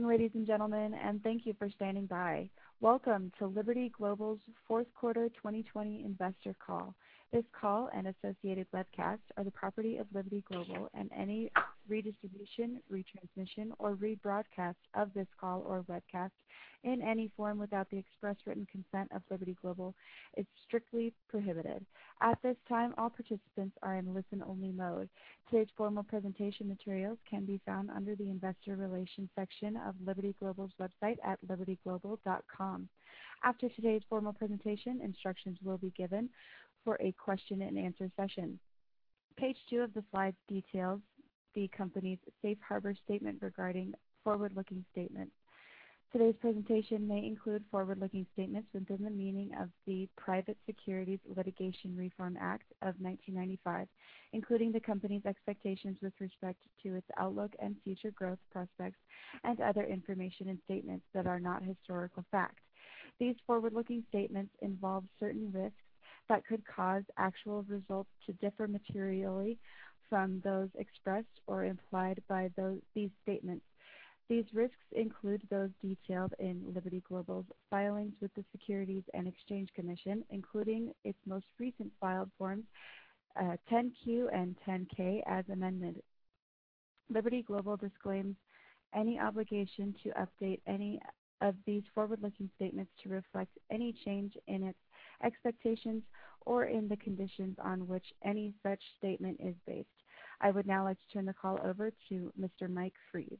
Good morning, ladies and gentlemen, and thank you for standing by. Welcome to Liberty Global's fourth quarter 2020 investor call. This call and associated webcasts are the property of Liberty Global, and any redistribution, retransmission, or rebroadcast of this call or webcast in any form without the express written consent of Liberty Global is strictly prohibited. At this time, all participants are in listen-only mode. Today's formal presentation materials can be found under the investor relations section of Liberty Global's website at libertyglobal.com. After today's formal presentation, instructions will be given for a question-and-answer session. Page two of the slides details the company's safe harbor statement regarding forward-looking statements. Today's presentation may include forward-looking statements within the meaning of the Private Securities Litigation Reform Act of 1995, including the company's expectations with respect to its outlook and future growth prospects, and other information and statements that are not historical fact. These forward-looking statements involve certain risks that could cause actual results to differ materially from those expressed or implied by these statements. These risks include those detailed in Liberty Global's filings with the Securities and Exchange Commission, including its most recent filed Forms 10-Q and 10-K as amended. Liberty Global disclaims any obligation to update any of these forward-looking statements to reflect any change in its expectations or in the conditions on which any such statement is based. I would now like to turn the call over to Mr. Mike Fries.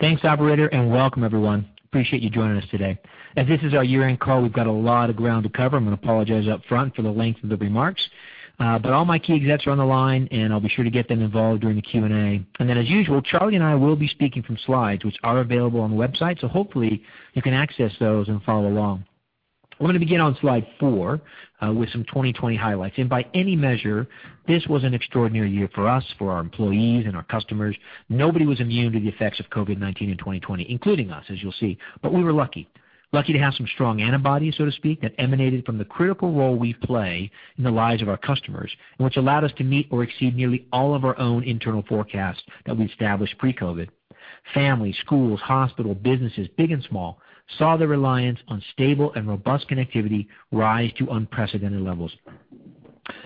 Thanks, operator, and welcome, everyone. Appreciate you joining us today. As this is our year-end call, we've got a lot of ground to cover. I'm going to apologize upfront for the length of the remarks, but all my key execs are on the line, and I'll be sure to get them involved during the Q&A. And then, as usual, Charlie and I will be speaking from slides which are available on the website, so hopefully you can access those and follow along. I'm going to begin on slide four with some 2020 highlights. And by any measure, this was an extraordinary year for us, for our employees, and our customers. Nobody was immune to the effects of COVID-19 in 2020, including us, as you'll see. But we were lucky. Lucky to have some strong antibodies, so to speak, that emanated from the critical role we play in the lives of our customers, which allowed us to meet or exceed nearly all of our own internal forecasts that we established pre-COVID. Families, schools, hospitals, businesses, big and small, saw the reliance on stable and robust connectivity rise to unprecedented levels.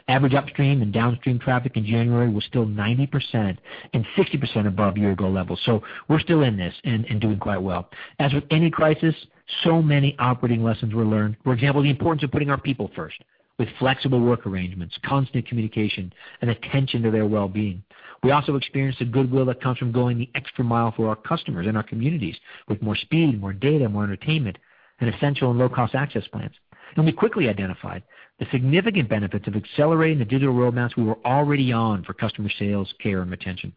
Average upstream and downstream traffic in January was still 90% and 60% above year-ago levels. So we're still in this and doing quite well. As with any crisis, so many operating lessons were learned. For example, the importance of putting our people first with flexible work arrangements, constant communication, and attention to their well-being. We also experienced the goodwill that comes from going the extra mile for our customers and our communities with more speed, more data, more entertainment, and essential and low-cost access plans. We quickly identified the significant benefits of accelerating the digital roadmaps we were already on for customer sales, care, and retention.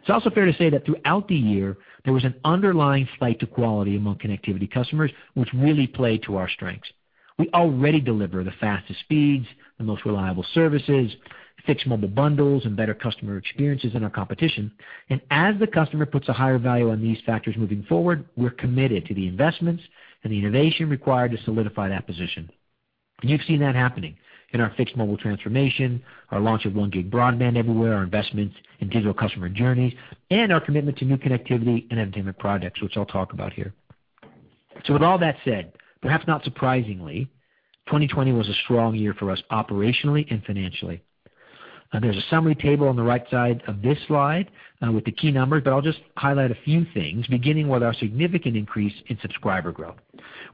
It's also fair to say that throughout the year, there was an underlying flight to quality among connectivity customers, which really played to our strengths. We already deliver the fastest speeds, the most reliable services, fixed mobile bundles, and better customer experiences than our competition. As the customer puts a higher value on these factors moving forward, we're committed to the investments and the innovation required to solidify that position. You've seen that happening in our fixed mobile transformation, our launch of 1 Gig broadband everywhere, our investments in digital customer journeys, and our commitment to new connectivity and entertainment projects, which I'll talk about here. With all that said, perhaps not surprisingly, 2020 was a strong year for us operationally and financially. There's a summary table on the right side of this slide with the key numbers, but I'll just highlight a few things, beginning with our significant increase in subscriber growth.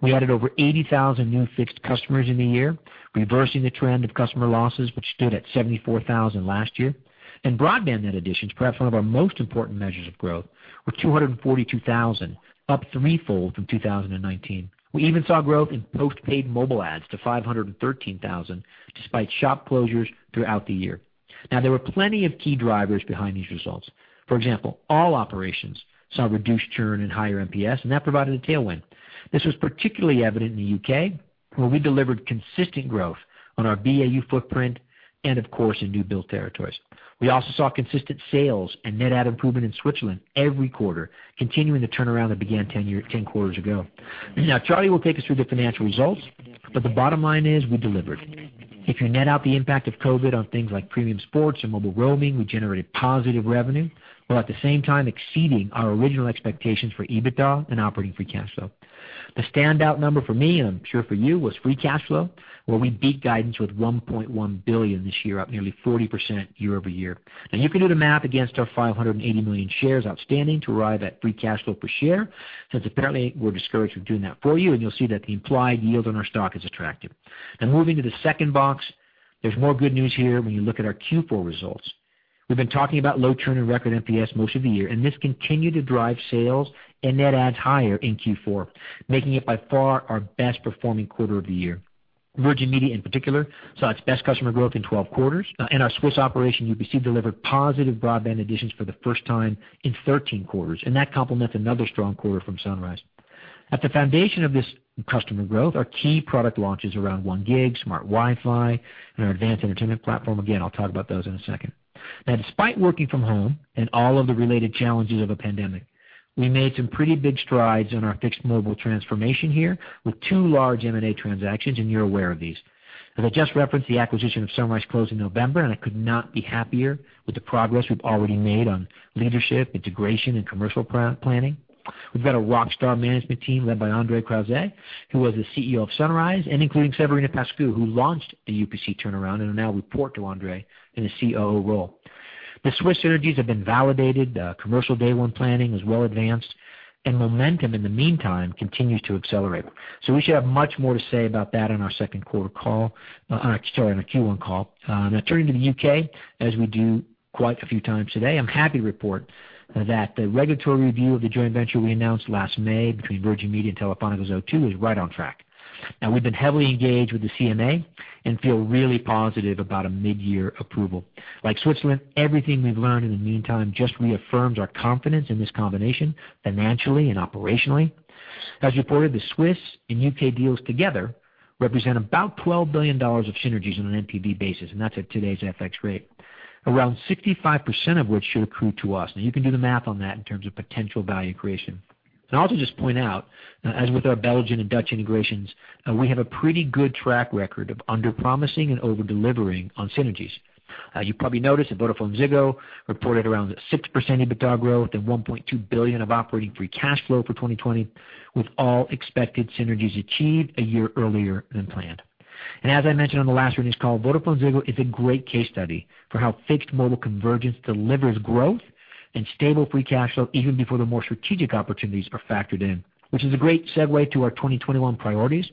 We added over 80,000 new fixed customers in the year, reversing the trend of customer losses, which stood at 74,000 last year. Broadband net additions, perhaps one of our most important measures of growth, were 242,000, up threefold from 2019. We even saw growth in postpaid mobile adds to 513,000 despite shop closures throughout the year. Now, there were plenty of key drivers behind these results. For example, all operations saw reduced churn and higher NPS, and that provided a tailwind. This was particularly evident in the U.K., where we delivered consistent growth on our BAU footprint and, of course, in new-build territories. We also saw consistent sales and net-add improvement in Switzerland every quarter, continuing the turnaround that began 10 quarters ago. Now, Charlie will take us through the financial results, but the bottom line is we delivered. If you net out the impact of COVID on things like premium sports and mobile roaming, we generated positive revenue, while at the same time exceeding our original expectations for EBITDA and operating free cash flow. The standout number for me, and I'm sure for you, was free cash flow, where we beat guidance with $1.1 billion this year, up nearly 40% year over year. Now, you can do the math against our 580 million shares outstanding to arrive at free cash flow per share, since apparently we're discouraged from doing that for you, and you'll see that the implied yield on our stock is attractive. Now, moving to the second box, there's more good news here when you look at our Q4 results. We've been talking about low churn and record NPS most of the year, and this continued to drive sales and net adds higher in Q4, making it by far our best-performing quarter of the year. Virgin Media, in particular, saw its best customer growth in 12 quarters. And our Swiss operation, UPC, delivered positive broadband additions for the first time in 13 quarters, and that complements another strong quarter from Sunrise. At the foundation of this customer growth are key product launches around 1 Gig, Smart WiFi, and our advanced entertainment platform. Again, I'll talk about those in a second. Now, despite working from home and all of the related challenges of a pandemic, we made some pretty big strides in our fixed mobile transformation here with two large M&A transactions, and you're aware of these. As I just referenced, the acquisition of Sunrise closed in November, and I could not be happier with the progress we've already made on leadership, integration, and commercial planning. We've got a rockstar management team led by André Krause, who was the CEO of Sunrise, and including Severina Pascu, who launched the UPC turnaround and now report to André in a COO role. The Swiss synergies have been validated. Commercial day one planning is well advanced, and momentum in the meantime continues to accelerate. So we should have much more to say about that on our second quarter call, sorry, on our Q1 call. Now, turning to the UK, as we do quite a few times today, I'm happy to report that the regulatory review of the joint venture we announced last May between Virgin Media and Telefónica's O2 is right on track. Now, we've been heavily engaged with the CMA and feel really positive about a mid-year approval. Like Switzerland, everything we've learned in the meantime just reaffirms our confidence in this combination financially and operationally. As reported, the Swiss and UK deals together represent about $12 billion of synergies on an NPV basis, and that's at today's FX rate, around 65% of which should accrue to us. Now, you can do the math on that in terms of potential value creation. And I'll also just point out, as with our Belgian and Dutch integrations, we have a pretty good track record of under-promising and over-delivering on synergies. You've probably noticed that VodafoneZiggo reported around 6% EBITDA growth and 1.2 billion of operating free cash flow for 2020, with all expected synergies achieved a year earlier than planned, and as I mentioned on the last earnings call, VodafoneZiggo is a great case study for how fixed mobile convergence delivers growth and stable free cash flow even before the more strategic opportunities are factored in, which is a great segue to our 2021 priorities,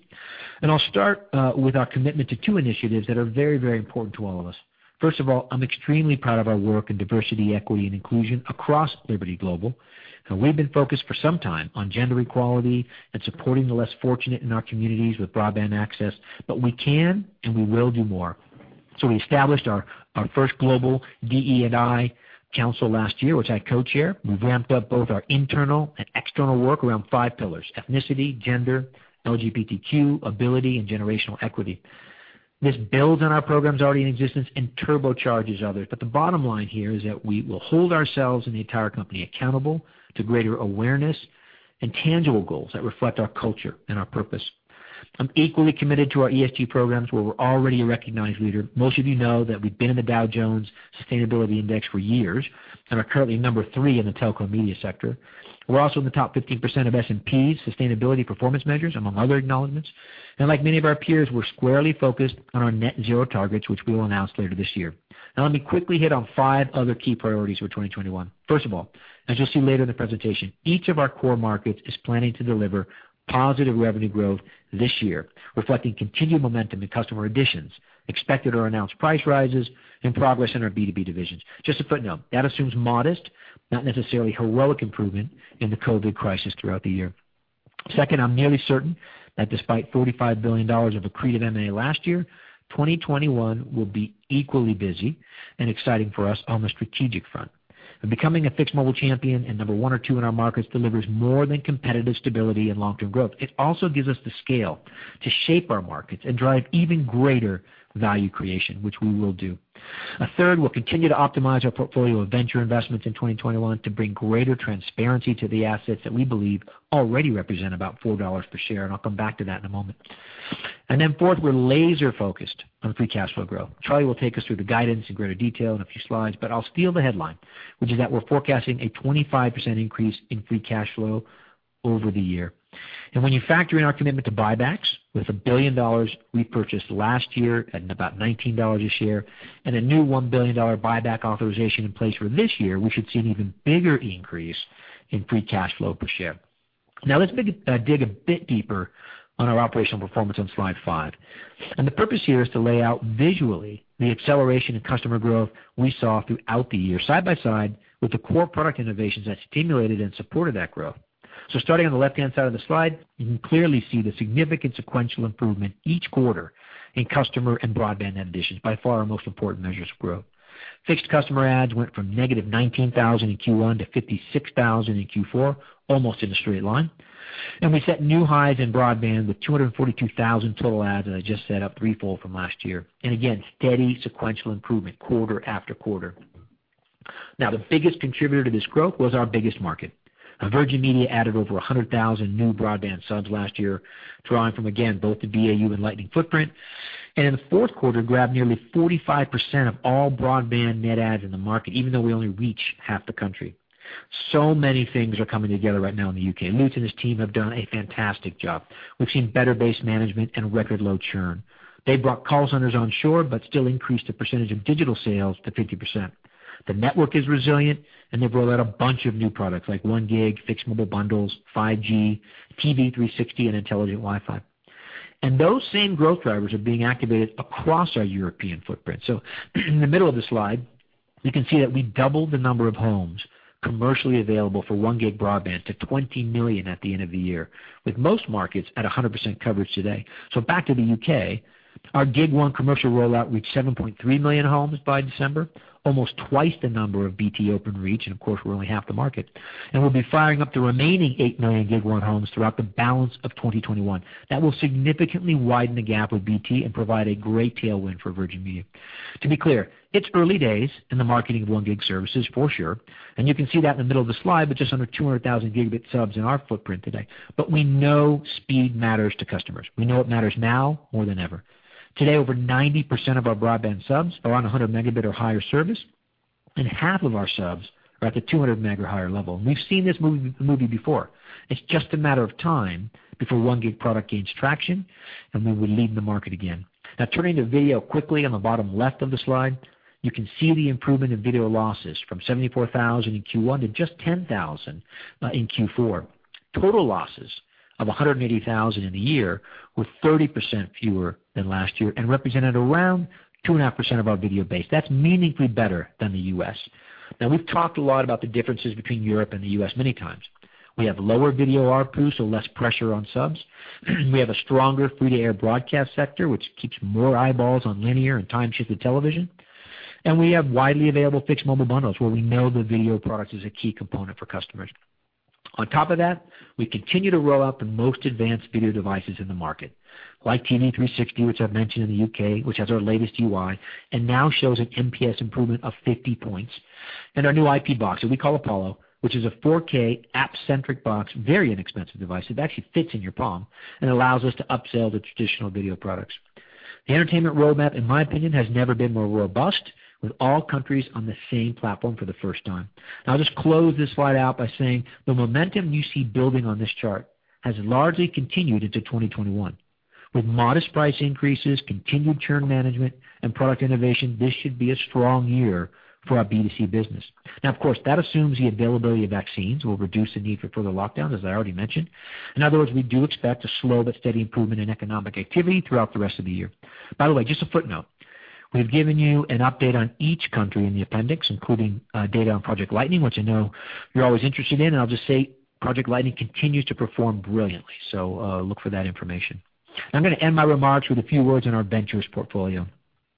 and I'll start with our commitment to two initiatives that are very, very important to all of us. First of all, I'm extremely proud of our work in diversity, equity, and inclusion across Liberty Global. We've been focused for some time on gender equality and supporting the less fortunate in our communities with broadband access, but we can and we will do more. We established our first global DE&I council last year, which I co-chair. We ramped up both our internal and external work around five pillars: ethnicity, gender, LGBTQ, ability, and generational equity. This builds on our programs already in existence and turbocharges others. But the bottom line here is that we will hold ourselves and the entire company accountable to greater awareness and tangible goals that reflect our culture and our purpose. I'm equally committed to our ESG programs, where we're already a recognized leader. Most of you know that we've been in the Dow Jones Sustainability Index for years and are currently number three in the telco media sector. We're also in the top 15% of S&P's sustainability performance measures, among other acknowledgments. And like many of our peers, we're squarely focused on our net zero targets, which we will announce later this year. Now, let me quickly hit on five other key priorities for 2021. First of all, as you'll see later in the presentation, each of our core markets is planning to deliver positive revenue growth this year, reflecting continued momentum in customer additions, expected or announced price rises, and progress in our B2B divisions. Just a footnote, that assumes modest, not necessarily heroic improvement in the COVID crisis throughout the year. Second, I'm nearly certain that despite $45 billion of accretive M&A last year, 2021 will be equally busy and exciting for us on the strategic front. Becoming a fixed mobile champion and number one or two in our markets delivers more than competitive stability and long-term growth. It also gives us the scale to shape our markets and drive even greater value creation, which we will do. Third, we'll continue to optimize our portfolio of venture investments in 2021 to bring greater transparency to the assets that we believe already represent about $4 per share, and I'll come back to that in a moment. And then fourth, we're laser-focused on free cash flow growth. Charlie will take us through the guidance in greater detail in a few slides, but I'll steal the headline, which is that we're forecasting a 25% increase in free cash flow over the year. And when you factor in our commitment to buybacks with $1 billion we purchased last year at about $19 a share and a new $1 billion buyback authorization in place for this year, we should see an even bigger increase in free cash flow per share. Now, let's dig a bit deeper on our operational performance on slide five. The purpose here is to lay out visually the acceleration in customer growth we saw throughout the year, side by side with the core product innovations that stimulated and supported that growth. So starting on the left-hand side of the slide, you can clearly see the significant sequential improvement each quarter in customer and broadband additions, by far our most important measures of growth. Fixed customer adds went from negative 19,000 in Q1 to 56,000 in Q4, almost in a straight line. We set new highs in broadband with 242,000 total adds, as I just said, up threefold from last year. And again, steady sequential improvement quarter after quarter. Now, the biggest contributor to this growth was our biggest market. Virgin Media added over 100,000 new broadband subs last year, drawing from, again, both the BAU and Lightning footprint. In the fourth quarter, it grabbed nearly 45% of all broadband net adds in the market, even though we only reach half the country. Many things are coming together right now in the U.K. Lutz and his team have done a fantastic job. We've seen better base management and record low churn. They brought call centers onshore but still increased the percentage of digital sales to 50%. The network is resilient, and they've rolled out a bunch of new products like 1 Gig, fixed mobile bundles, 5G, TV 360, and Intelligent WiFi. Those same growth drivers are being activated across our European footprint. In the middle of the slide, you can see that we doubled the number of homes commercially available for 1 Gig broadband to 20 million at the end of the year, with most markets at 100% coverage today. So back to the UK, our Gig1 commercial rollout reached 7.3 million homes by December, almost twice the number of BT Openreach, and of course, we're only half the market. And we'll be firing up the remaining 8 million Gig1 homes throughout the balance of 2021. That will significantly widen the gap with BT and provide a great tailwind for Virgin Media. To be clear, it's early days in the marketing of 1 Gig services, for sure. And you can see that in the middle of the slide, but just under 200,000 gigabit subs in our footprint today. But we know speed matters to customers. We know it matters now more than ever. Today, over 90% of our broadband subs are on 100 megabit or higher service, and half of our subs are at the 200 meg or higher level. And we've seen this movie before. It's just a matter of time before 1 Gig product gains traction, and then we lead the market again. Now, turning to video quickly on the bottom left of the slide, you can see the improvement in video losses from 74,000 in Q1 to just 10,000 in Q4. Total losses of 180,000 in the year were 30% fewer than last year and represented around 2.5% of our video base. That's meaningfully better than the U.S. Now, we've talked a lot about the differences between Europe and the U.S. many times. We have lower video RPU, so less pressure on subs. We have a stronger free-to-air broadcast sector, which keeps more eyeballs on linear and time-shifted television. And we have widely available fixed mobile bundles, where we know the video product is a key component for customers. On top of that, we continue to roll out the most advanced video devices in the market, like TV 360, which I've mentioned in the UK, which has our latest UI and now shows an NPS improvement of 50 points, and our new IP box, which we call Apollo, which is a 4K app-centric box, very inexpensive device that actually fits in your palm and allows us to upsell the traditional video products. The entertainment roadmap, in my opinion, has never been more robust, with all countries on the same platform for the first time. Now, I'll just close this slide out by saying the momentum you see building on this chart has largely continued into 2021. With modest price increases, continued churn management, and product innovation, this should be a strong year for our B2C business. Now, of course, that assumes the availability of vaccines will reduce the need for further lockdowns, as I already mentioned. In other words, we do expect a slow but steady improvement in economic activity throughout the rest of the year. By the way, just a footnote, we've given you an update on each country in the appendix, including data on Project Lightning, which I know you're always interested in, and I'll just say Project Lightning continues to perform brilliantly, so look for that information. I'm going to end my remarks with a few words on our ventures portfolio.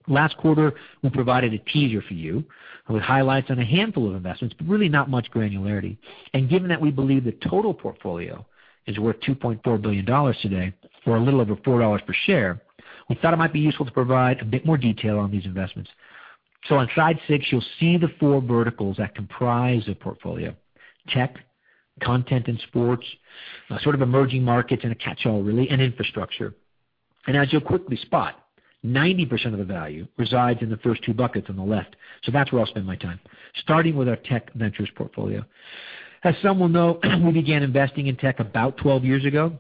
Last quarter, we provided a teaser for you with highlights on a handful of investments, but really not much granularity. Given that we believe the total portfolio is worth $2.4 billion today for a little over $4 per share, we thought it might be useful to provide a bit more detail on these investments. On slide six, you'll see the four verticals that comprise the portfolio: tech, content and sports, sort of emerging markets and a catch-all, really, and infrastructure. As you'll quickly spot, 90% of the value resides in the first two buckets on the left. That's where I'll spend my time, starting with our tech ventures portfolio. As some will know, we began investing in tech about 12 years ago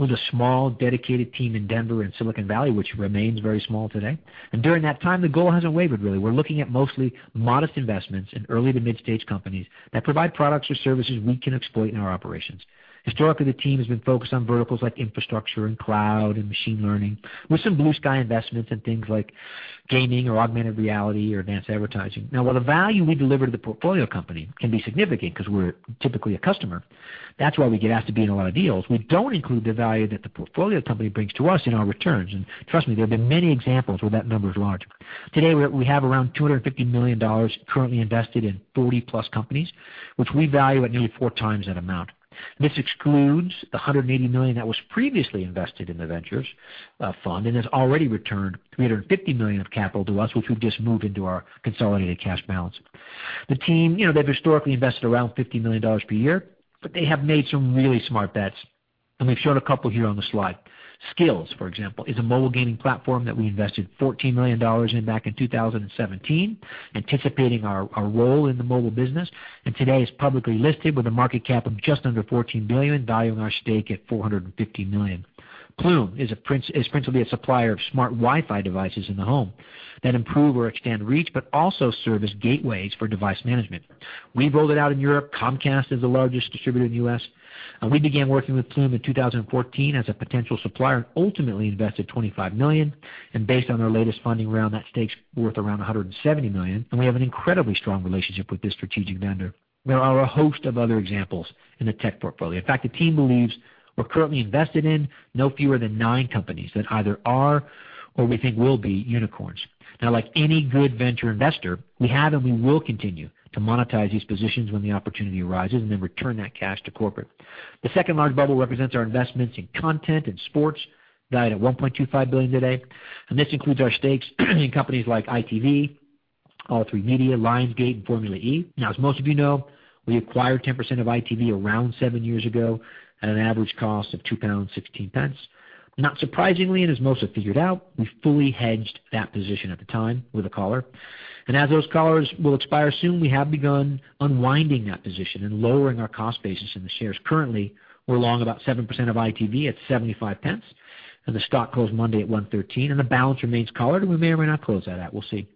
with a small dedicated team in Denver and Silicon Valley, which remains very small today. During that time, the goal hasn't wavered, really. We're looking at mostly modest investments in early to mid-stage companies that provide products or services we can exploit in our operations. Historically, the team has been focused on verticals like infrastructure and cloud and machine learning, with some blue sky investments in things like gaming or augmented reality or advanced advertising. Now, while the value we deliver to the portfolio company can be significant because we're typically a customer, that's why we get asked to be in a lot of deals. We don't include the value that the portfolio company brings to us in our returns. And trust me, there have been many examples where that number is large. Today, we have around $250 million currently invested in 40-plus companies, which we value at nearly four times that amount. This excludes the $180 million that was previously invested in the ventures fund and has already returned $350 million of capital to us, which we've just moved into our consolidated cash balance. The team, they've historically invested around $50 million per year, but they have made some really smart bets. And we've shown a couple here on the slide. Skillz, for example, is a mobile gaming platform that we invested $14 million in back in 2017, anticipating our role in the mobile business. And today, it's publicly listed with a market cap of just under $14 billion, valuing our stake at $450 million. Plume is principally a supplier of smart Wi-Fi devices in the home that improve or extend reach but also serve as gateways for device management. We've rolled it out in Europe. Comcast is the largest distributor in the U.S. We began working with Plume in 2014 as a potential supplier and ultimately invested $25 million. And based on our latest funding round, that stake's worth around $170 million. And we have an incredibly strong relationship with this strategic vendor. There are a host of other examples in the tech portfolio. In fact, the team believes we're currently invested in no fewer than nine companies that either are or we think will be unicorns. Now, like any good venture investor, we have and we will continue to monetize these positions when the opportunity arises and then return that cash to corporate. The second large bubble represents our investments in content and sports, valued at $1.25 billion today. And this includes our stakes in companies like ITV, All3Media, Lionsgate, and Formula E. Now, as most of you know, we acquired 10% of ITV around seven years ago at an average cost of 2.16 pounds. Not surprisingly, and as most have figured out, we fully hedged that position at the time with a collar. And as those collars will expire soon, we have begun unwinding that position and lowering our cost basis in the shares. Currently, we're long about 7% of ITV at 0.75, and the stock closed Monday at 1.13, and the balance remains collared, and we may or may not close at that. We'll see.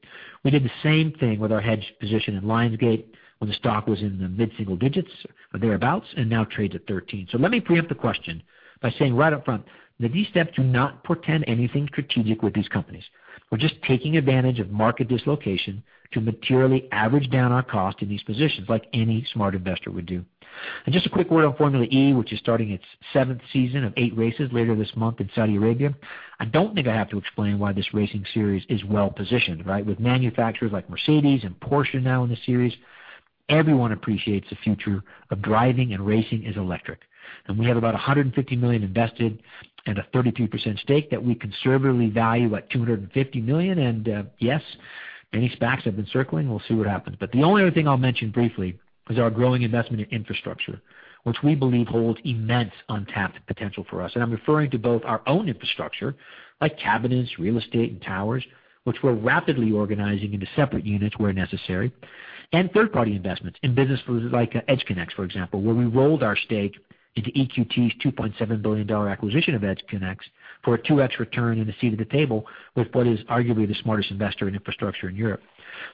We did the same thing with our hedged position in Lionsgate when the stock was in the mid-single digits or thereabouts and now trades at $13. So let me preempt the question by saying right up front that these steps do not portend anything strategic with these companies. We're just taking advantage of market dislocation to materially average down our cost in these positions, like any smart investor would do. And just a quick word on Formula E, which is starting its seventh season of eight races later this month in Saudi Arabia. I don't think I have to explain why this racing series is well-positioned, right? With manufacturers like Mercedes and Porsche now in the series, everyone appreciates the future of driving and racing as electric. And we have about $150 million invested and a 33% stake that we conservatively value at $250 million. And yes, many SPACs have been circling. We'll see what happens. But the only other thing I'll mention briefly is our growing investment in infrastructure, which we believe holds immense untapped potential for us. I'm referring to both our own infrastructure, like cabinets, real estate, and towers, which we're rapidly organizing into separate units where necessary, and third-party investments in businesses like EdgeConneX, for example, where we rolled our stake into EQT's $2.7 billion acquisition of EdgeConneX for a 2x return and a seat at the table with what is arguably the smartest investor in infrastructure in Europe.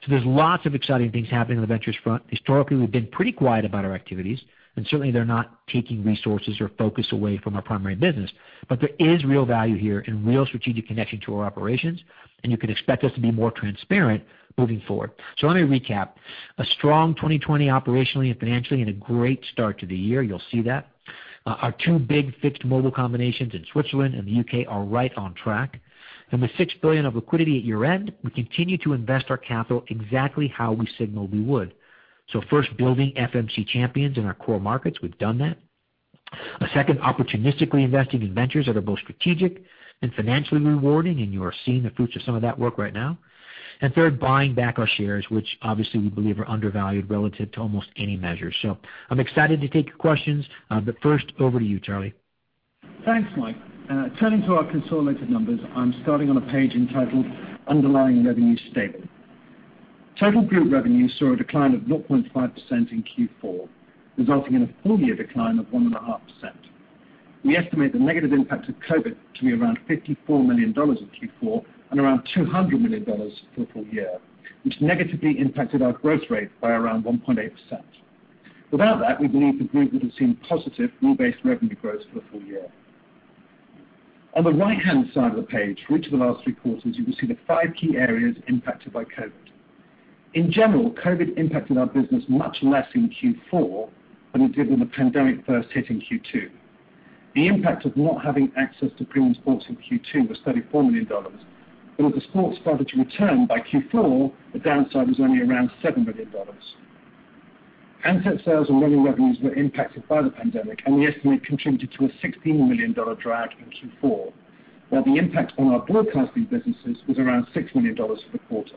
There's lots of exciting things happening on the ventures front. Historically, we've been pretty quiet about our activities, and certainly, they're not taking resources or focus away from our primary business. But there is real value here and real strategic connection to our operations, and you can expect us to be more transparent moving forward. Let me recap. A strong 2020 operationally and financially and a great start to the year. You'll see that. Our two big fixed-mobile convergences in Switzerland and the UK are right on track. And with $6 billion of liquidity at year-end, we continue to invest our capital exactly how we signal we would. So first, building FMC champions in our core markets, we've done that. A second, opportunistically investing in ventures that are both strategic and financially rewarding, and you are seeing the fruits of some of that work right now. And third, buying back our shares, which obviously we believe are undervalued relative to almost any measure. So I'm excited to take your questions, but first, over to you, Charlie. Thanks, Mike. Turning to our consolidated numbers, I'm starting on a page entitled Underlying Revenue Stable. Total group revenue saw a decline of 0.5% in Q4, resulting in a full-year decline of 1.5%. We estimate the negative impact of COVID to be around $54 million in Q4 and around $200 million for the full year, which negatively impacted our growth rate by around 1.8%. Without that, we believe the group would have seen positive new-based revenue growth for the full year. On the right-hand side of the page, for each of the last three quarters, you will see the five key areas impacted by COVID. In general, COVID impacted our business much less in Q4 than it did when the pandemic first hit in Q2. The impact of not having access to premium sports in Q2 was $34 million, but as the sports started to return by Q4, the downside was only around $7 million. Asset sales and running revenues were impacted by the pandemic, and we estimate contributed to a $16 million drag in Q4, while the impact on our broadcasting businesses was around $6 million for the quarter.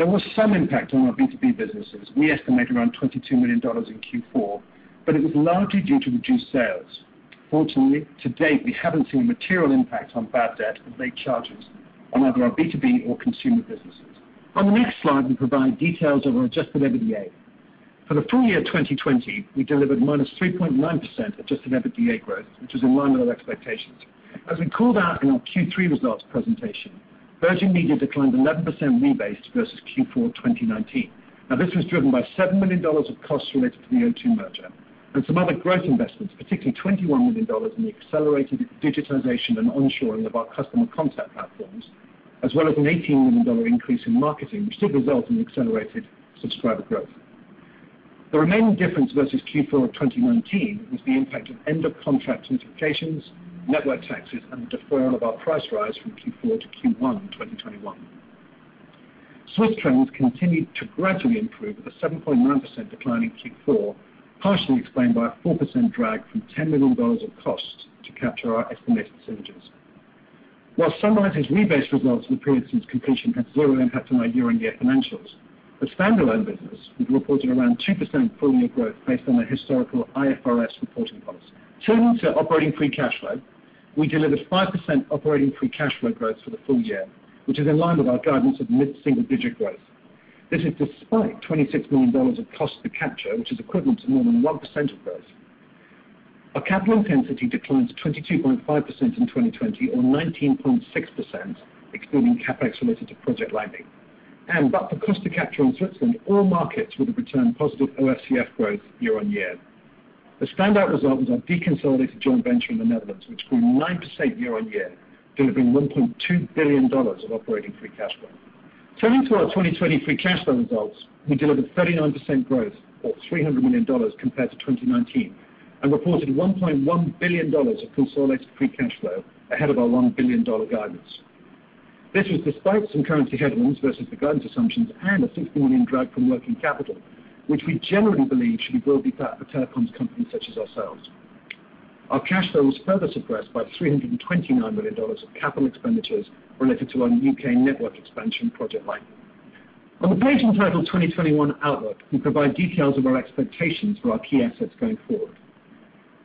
There was some impact on our B2B businesses. We estimate around $22 million in Q4, but it was largely due to reduced sales. Fortunately, to date, we haven't seen a material impact on bad debt and late charges on either our B2B or consumer businesses. On the next slide, we provide details of our adjusted EBITDA. For the full year 2020, we delivered -3.9% adjusted EBITDA growth, which was in line with our expectations. As we called out in our Q3 results presentation, Virgin Media declined 11% rebased versus Q4 2019. Now, this was driven by $7 million of costs related to the O2 merger and some other growth investments, particularly $21 million in the accelerated digitization and onshoring of our customer contact platforms, as well as an $18 million increase in marketing, which did result in accelerated subscriber growth. The remaining difference versus Q4 of 2019 was the impact of end-of-contract notifications, network taxes, and the deferral of our price rise from Q4 to Q1 2021. Swiss trends continued to gradually improve with a 7.9% decline in Q4, partially explained by a 4% drag from $10 million of costs to capture our estimated synergies. While Sunrise's rebased results in the period since completion had zero impact on our year-on-year financials, the standalone business reported around 2% full-year growth based on their historical IFRS reporting policy. Turning to operating free cash flow, we delivered 5% operating free cash flow growth for the full year, which is in line with our guidance of mid-single digit growth. This is despite $26 million of cost to capture, which is equivalent to more than 1% of growth. Our capital intensity declined to 22.5% in 2020, or 19.6%, excluding CapEx related to Project Lightning, and but for cost to capture in Switzerland, all markets would have returned positive OFCF growth year-on-year. The standout result was our deconsolidated joint venture in the Netherlands, which grew 9% year-on-year, delivering $1.2 billion of operating free cash flow. Turning to our 2020 free cash flow results, we delivered 39% growth, or $300 million, compared to 2019, and reported $1.1 billion of consolidated free cash flow ahead of our $1 billion guidance. This was despite some currency headwinds versus the guidance assumptions and a $60 million drag from working capital, which we generally believe should be broadly put for telecoms companies such as ourselves. Our cash flow was further suppressed by $329 million of capital expenditures related to our UK network expansion Project Lightning. On the page entitled 2021 Outlook, we provide details of our expectations for our key assets going forward.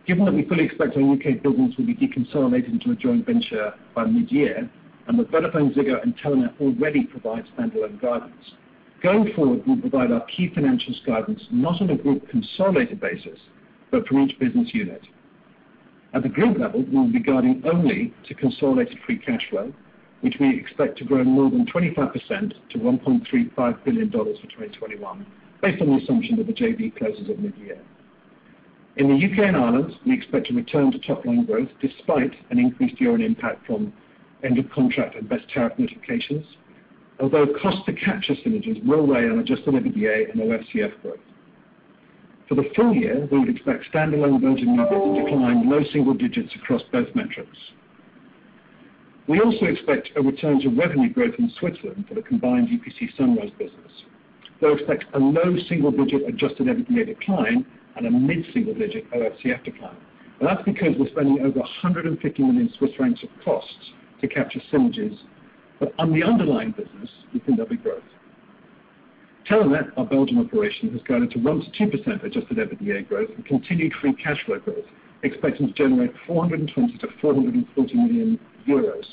Given that we fully expect our UK business will be deconsolidated into a joint venture by mid-year, and that VodafoneZiggo, and Telenet already provide standalone guidance, going forward, we will provide our key financials guidance not on a group consolidated basis, but for each business unit. At the group level, we will be guiding only to consolidated free cash flow, which we expect to grow more than 25% to $1.35 billion for 2021, based on the assumption that the JV closes at mid-year. In the UK and Ireland, we expect to return to top-line growth despite an increased year-on-year impact from end-of-contract and Best Tariff Notifications, although cost to capture synergies will weigh on adjusted EBITDA and OFCF growth. For the full year, we would expect standalone Virgin Media to decline low single digits across both metrics. We also expect a return to revenue growth in Switzerland for the combined UPC Sunrise business. We expect a low single-digit adjusted EBITDA decline and a mid-single-digit OFCF decline, and that's because we're spending over 150 million Swiss francs of costs to capture synergies, but on the underlying business, we think there'll be growth. Telenet, our Belgian operation, has guided to 1-2% Adjusted EBITDA growth and continued Free Cash Flow growth, expecting to generate 420-440 million euros.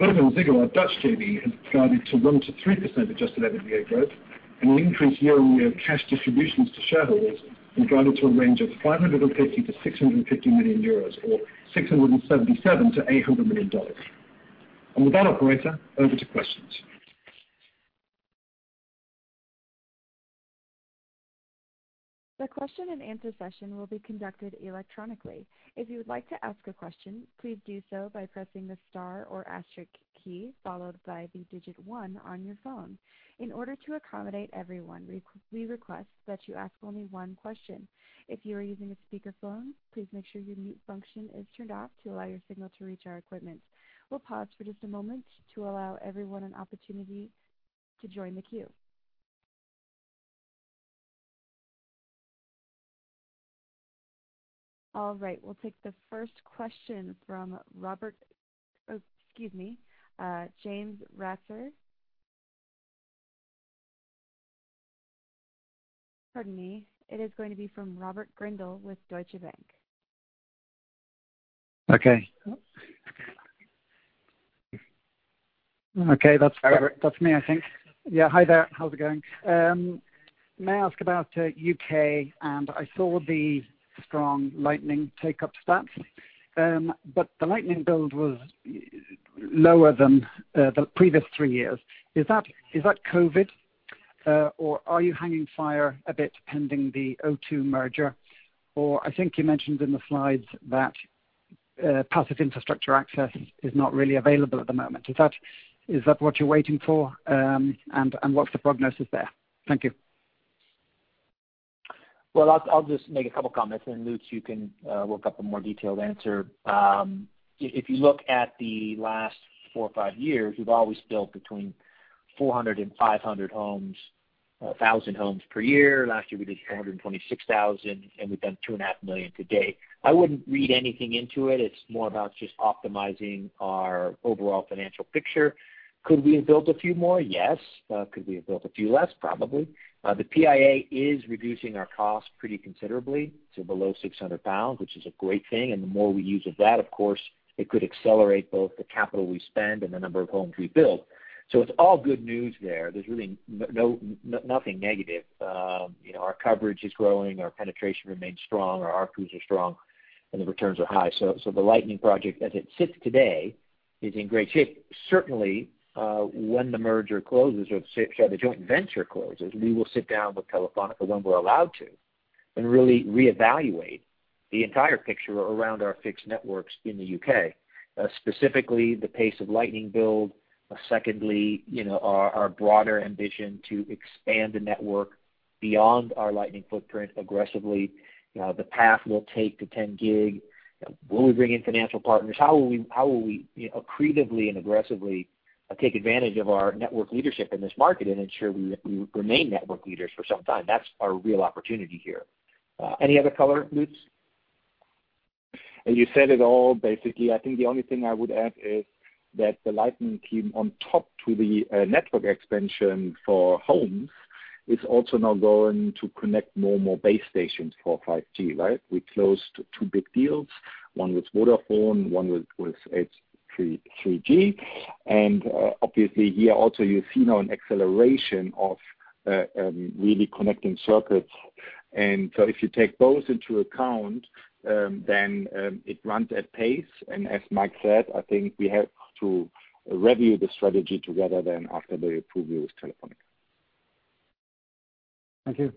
VodafoneZiggo, our Dutch JV, has guided to 1-3% Adjusted EBITDA growth, and we increase year-on-year cash distributions to shareholders and guided to a range of 550-650 million euros, or $677-$800 million. Operator, over to questions. The question-and-answer session will be conducted electronically. If you would like to ask a question, please do so by pressing the star or asterisk key followed by the digit one on your phone. In order to accommodate everyone, we request that you ask only one question. If you are using a speakerphone, please make sure your mute function is turned off to allow your signal to reach our equipment. We'll pause for just a moment to allow everyone an opportunity to join the queue. All right. We'll take the first question from Robert, excuse me, James Ratzer. Pardon me. It is going to be from Robert Grindle with Deutsche Bank. Okay. Okay. That's me, I think. Yeah. Hi there. How's it going? May I ask about UK? And I saw the strong Lightning take-up stats, but the Lightning build was lower than the previous three years. Is that COVID, or are you hanging fire a bit pending the O2 merger? Or I think you mentioned in the slides that passive infrastructure access is not really available at the moment. Is that what you're waiting for, and what's the prognosis there? Thank you. Well, I'll just make a couple of comments, and Lutz, you can work up a more detailed answer. If you look at the last four or five years, we've always built between 400 and 500 homes, 1,000 homes per year. Last year, we did 426,000, and we've done 2.5 million today. I wouldn't read anything into it. It's more about just optimizing our overall financial picture. Could we have built a few more? Yes. Could we have built a few less? Probably. The PIA is reducing our costs pretty considerably to below £600, which is a great thing. And the more we use of that, of course, it could accelerate both the capital we spend and the number of homes we build. So it's all good news there. There's really nothing negative. Our coverage is growing. Our penetration remains strong. Our RGUs are strong, and the returns are high. So the Project Lightning, as it sits today, is in great shape. Certainly, when the merger closes or the joint venture closes, we will sit down with Telefónica when we're allowed to and really reevaluate the entire picture around our fixed networks in the U.K., specifically the pace of Lightning build. Secondly, our broader ambition to expand the network beyond our Lightning footprint aggressively. The path we'll take to 10 gig. Will we bring in financial partners? How will we accretively and aggressively take advantage of our network leadership in this market and ensure we remain network leaders for some time? That's our real opportunity here. Any other color, Lutz? As you said it all, basically, I think the only thing I would add is that the Lightning team on top to the network expansion for homes is also now going to connect more and more base stations for 5G, right? We closed two big deals, one with Vodafone, one with EdgeConneX. And obviously, here also, you see now an acceleration of really connecting circuits. And so if you take both into account, then it runs at pace. And as Mike said, I think we have to review the strategy together then after the preview with Telefónica. Thank you.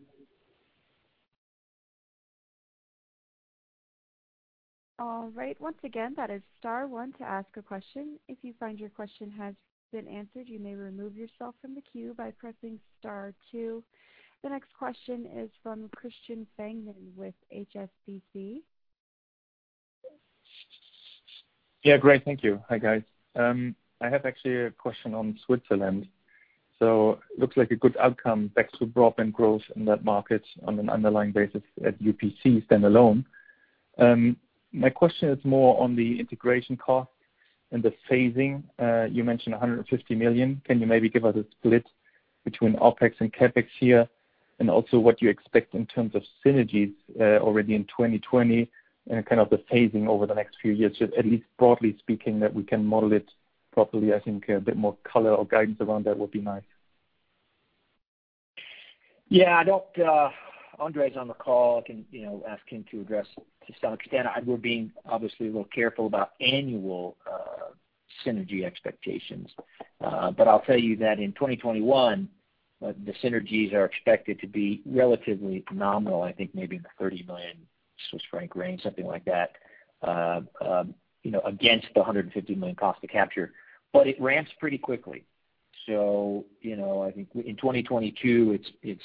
All right. Once again, that is star one to ask a question. If you find your question has been answered, you may remove yourself from the queue by pressing star two. The next question is from Christian Fangmann with HSBC. Yeah. Great. Thank you. Hi, guys. I have actually a question on Switzerland. So it looks like a good outcome back to broadband growth in that market on an underlying basis at UPC standalone. My question is more on the integration cost and the phasing. You mentioned 150 million. Can you maybe give us a split between OpEx and CapEx here and also what you expect in terms of synergies already in 2020 and kind of the phasing over the next few years, at least broadly speaking, that we can model it properly? I think a bit more color or guidance around that would be nice. Yeah. I know André's on the call. I can ask him to address to some extent. We're being obviously a little careful about annual synergy expectations. But I'll tell you that in 2021, the synergies are expected to be relatively nominal. I think maybe in the 30 million Swiss franc range, something like that, against the 150 million cost to capture. But it ramps pretty quickly. So I think in 2022, it's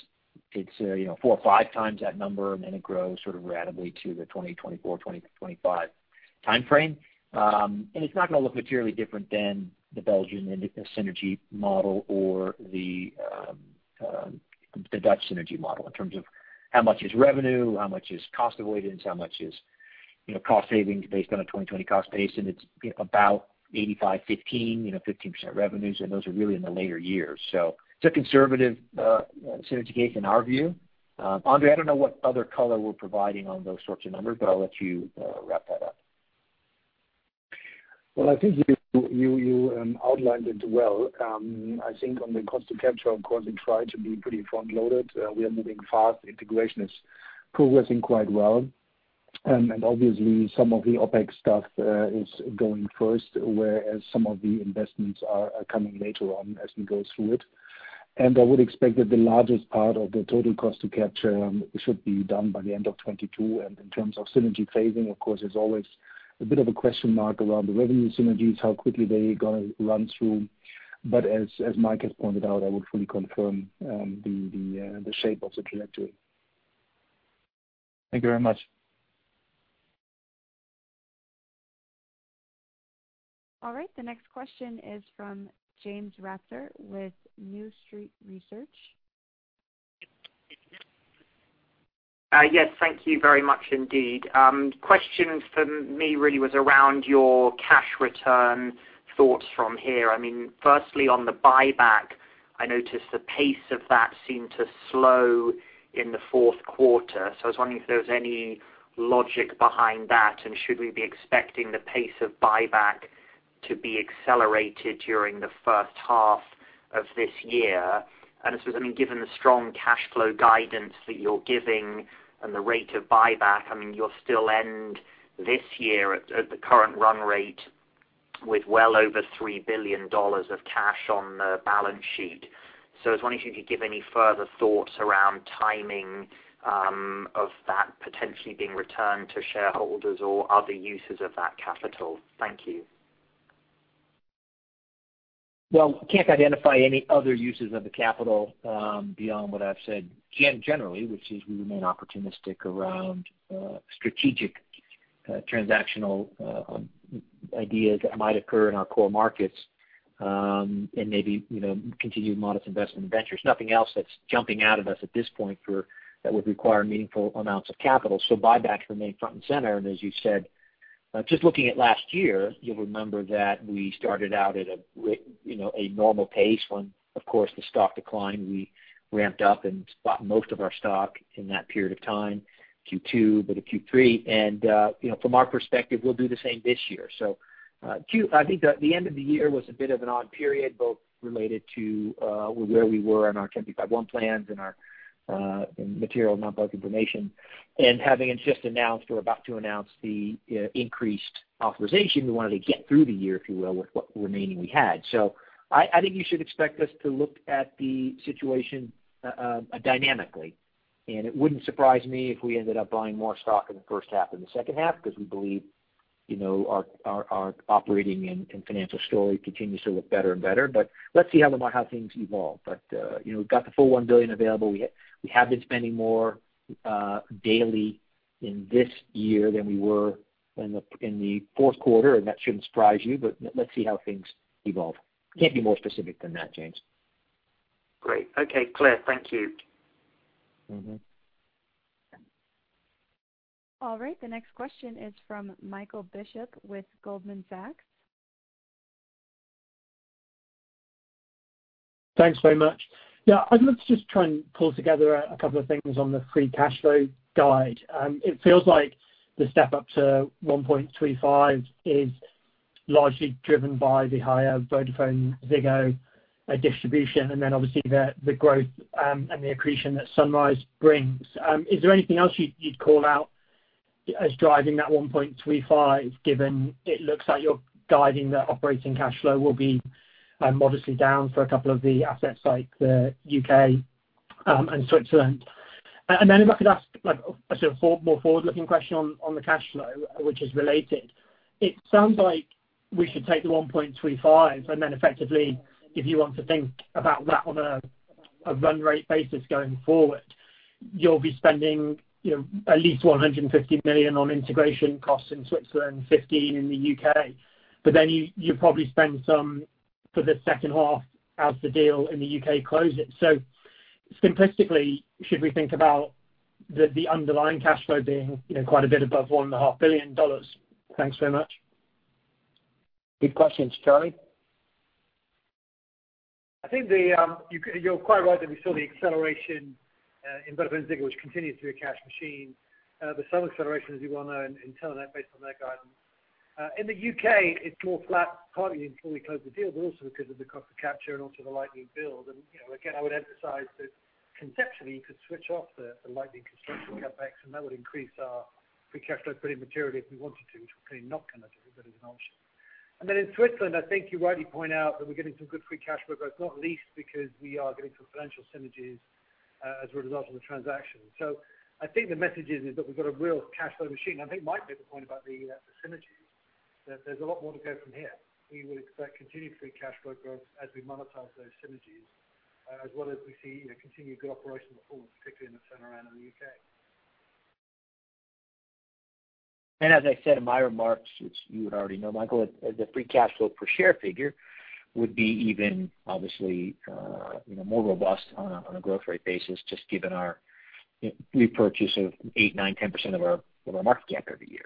four or five times that number, and then it grows sort of radically to the 2024, 2025 timeframe. It's not going to look materially different than the Belgian synergy model or the Dutch synergy model in terms of how much is revenue, how much is cost-avoidance, how much is cost savings based on a 2020 cost base. It's about 85%, 15%, 15% revenues, and those are really in the later years. It's a conservative synergy case in our view. André, I don't know what other color we're providing on those sorts of numbers, but I'll let you wrap that up. I think you outlined it well. I think on the cost to capture, of course, we try to be pretty front-loaded. We are moving fast. Integration is progressing quite well. And obviously, some of the OpEx stuff is going first, whereas some of the investments are coming later on as we go through it. I would expect that the largest part of the total cost to capture should be done by the end of 2022. In terms of synergy phasing, of course, there's always a bit of a question mark around the revenue synergies, how quickly they're going to run through. As Mike has pointed out, I would fully confirm the shape of the trajectory. Thank you very much. All right. The next question is from James Ratzer with New Street Research. Yes. Thank you very much indeed. Question for me really was around your cash return thoughts from here. I mean, firstly, on the buyback, I noticed the pace of that seemed to slow in the fourth quarter. So I was wondering if there was any logic behind that, and should we be expecting the pace of buyback to be accelerated during the first half of this year? And I suppose, I mean, given the strong cash flow guidance that you're giving and the rate of buyback, I mean, you'll still end this year at the current run rate with well over $3 billion of cash on the balance sheet. So I was wondering if you could give any further thoughts around timing of that potentially being returned to shareholders or other uses of that capital. Thank you. Well, I can't identify any other uses of the capital beyond what I've said generally, which is we remain opportunistic around strategic transactional ideas that might occur in our core markets and maybe continued modest investment ventures. Nothing else that's jumping out at us at this point that would require meaningful amounts of capital. So buybacks remain front and center. And as you said, just looking at last year, you'll remember that we started out at a normal pace. When, of course, the stock declined, we ramped up and bought most of our stock in that period of time, Q2, but in Q3, and from our perspective, we'll do the same this year, so I think the end of the year was a bit of an odd period, both related to where we were on our 10b5-1 plans and our material nonpublic information, and having just announced or about to announce the increased authorization, we wanted to get through the year, if you will, with what remaining we had, so I think you should expect us to look at the situation dynamically, and it wouldn't surprise me if we ended up buying more stock in the first half than the second half because we believe our operating and financial story continues to look better and better, but let's see how things evolve. But we've got the full $1 billion available. We have been spending more daily in this year than we were in the fourth quarter, and that shouldn't surprise you. But let's see how things evolve. Can't be more specific than that, James. Great. Okay. Clear. Thank you. All right. The next question is from Michael Bishop with Goldman Sachs. Thanks very much. Yeah. I'd love to just try and pull together a couple of things on the free cash flow guide. It feels like the step up to $1.35 billion is largely driven by the higher VodafoneZiggo distribution and then obviously the growth and the accretion that Sunrise brings. Is there anything else you'd call out as driving that $1.35 billion, given it looks like you're guiding the operating cash flow will be modestly down for a couple of the assets like the UK and Switzerland? And then if I could ask a sort of more forward-looking question on the cash flow, which is related. It sounds like we should take the $1.35 billion and then effectively, if you want to think about that on a run rate basis going forward, you'll be spending at least $150 million on integration costs in Switzerland, $15 million in the UK. But then you probably spend some for the second half as the deal in the UK closes. So simplistically, should we think about the underlying cash flow being quite a bit above $1.5 billion? Thanks very much. Good questions, Charlie. I think you're quite right that we saw the acceleration in VodafoneZiggo, which continues to be a cash machine. There's some acceleration as you well know in Telenet based on their guidance. In the UK, it's more flat, partly before we close the deal, but also because of the cost to capture and also the Lightning build. And again, I would emphasize that conceptually, you could switch off the Lightning construction CAPEX, and that would increase our free cash flow pretty materially if we wanted to, which we're clearly not going to do, but it's an option. And then in Switzerland, I think you rightly point out that we're getting some good free cash flow growth, not least because we are getting some financial synergies as a result of the transaction. So I think the message is that we've got a real cash flow machine. I think Mike made the point about the synergies, that there's a lot more to go from here. We would expect continued free cash flow growth as we monetize those synergies, as well as we see continued good operational performance, particularly in the turnaround in the UK. And as I said in my remarks, as you would already know, Michael, the free cash flow per share figure would be even obviously more robust on a growth rate basis, just given our repurchase of eight, nine, 10% of our market cap every year.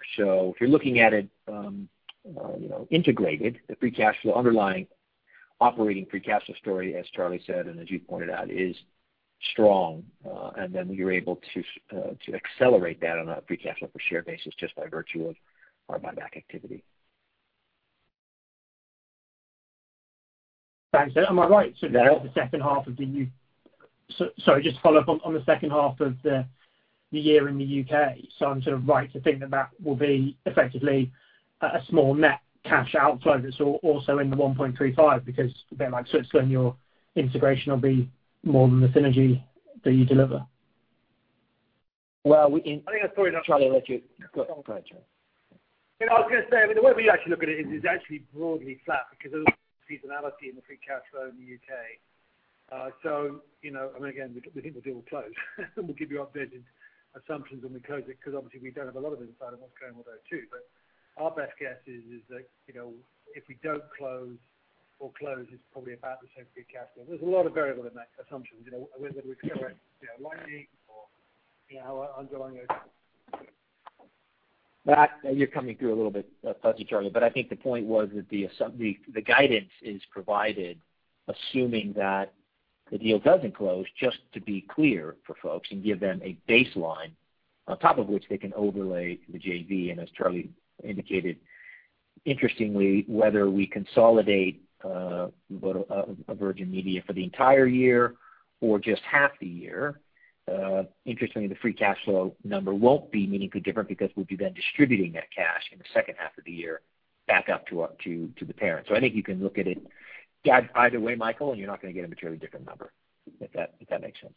So if you're looking at it integrated, the free cash flow underlying operating free cash flow story, as Charlie said, and as you pointed out, is strong. And then we are able to accelerate that on a free cash flow per share basis just by virtue of our buyback activity. Thanks. Am I right? So that's the second half of the. Sorry, just follow up on the second half of the year in the UK. So, I'm sort of right to think that that will be effectively a small net cash outflow that's also in the 1.35 because, a bit like Switzerland, your integration will be more than the synergy that you deliver. Well, we. I think that's probably not. Charlie, I'll let you. Go ahead, Charlie. I was going to say, I mean, the way we actually look at it is it's actually broadly flat because of the seasonality in the free cash flow in the UK. So I mean, again, we think the deal will close. We'll give you our version of assumptions when we close it because obviously we don't have a lot of insight on what's going on there too. But our best guess is that if we don't close or close, it's probably about the same free cash flow. There's a lot of variability in that assumption. Whether we accelerate Lightning or how our underlying, You're coming through a little bit fuzzy, Charlie, but I think the point was that the guidance is provided assuming that the deal doesn't close, just to be clear for folks and give them a baseline on top of which they can overlay the JV. And as Charlie indicated, interestingly, whether we consolidate Virgin Media for the entire year or just half the year, interestingly, the free cash flow number won't be meaningfully different because we'll be then distributing that cash in the second half of the year back up to the parent. So I think you can look at it either way, Michael, and you're not going to get a materially different number, if that makes sense.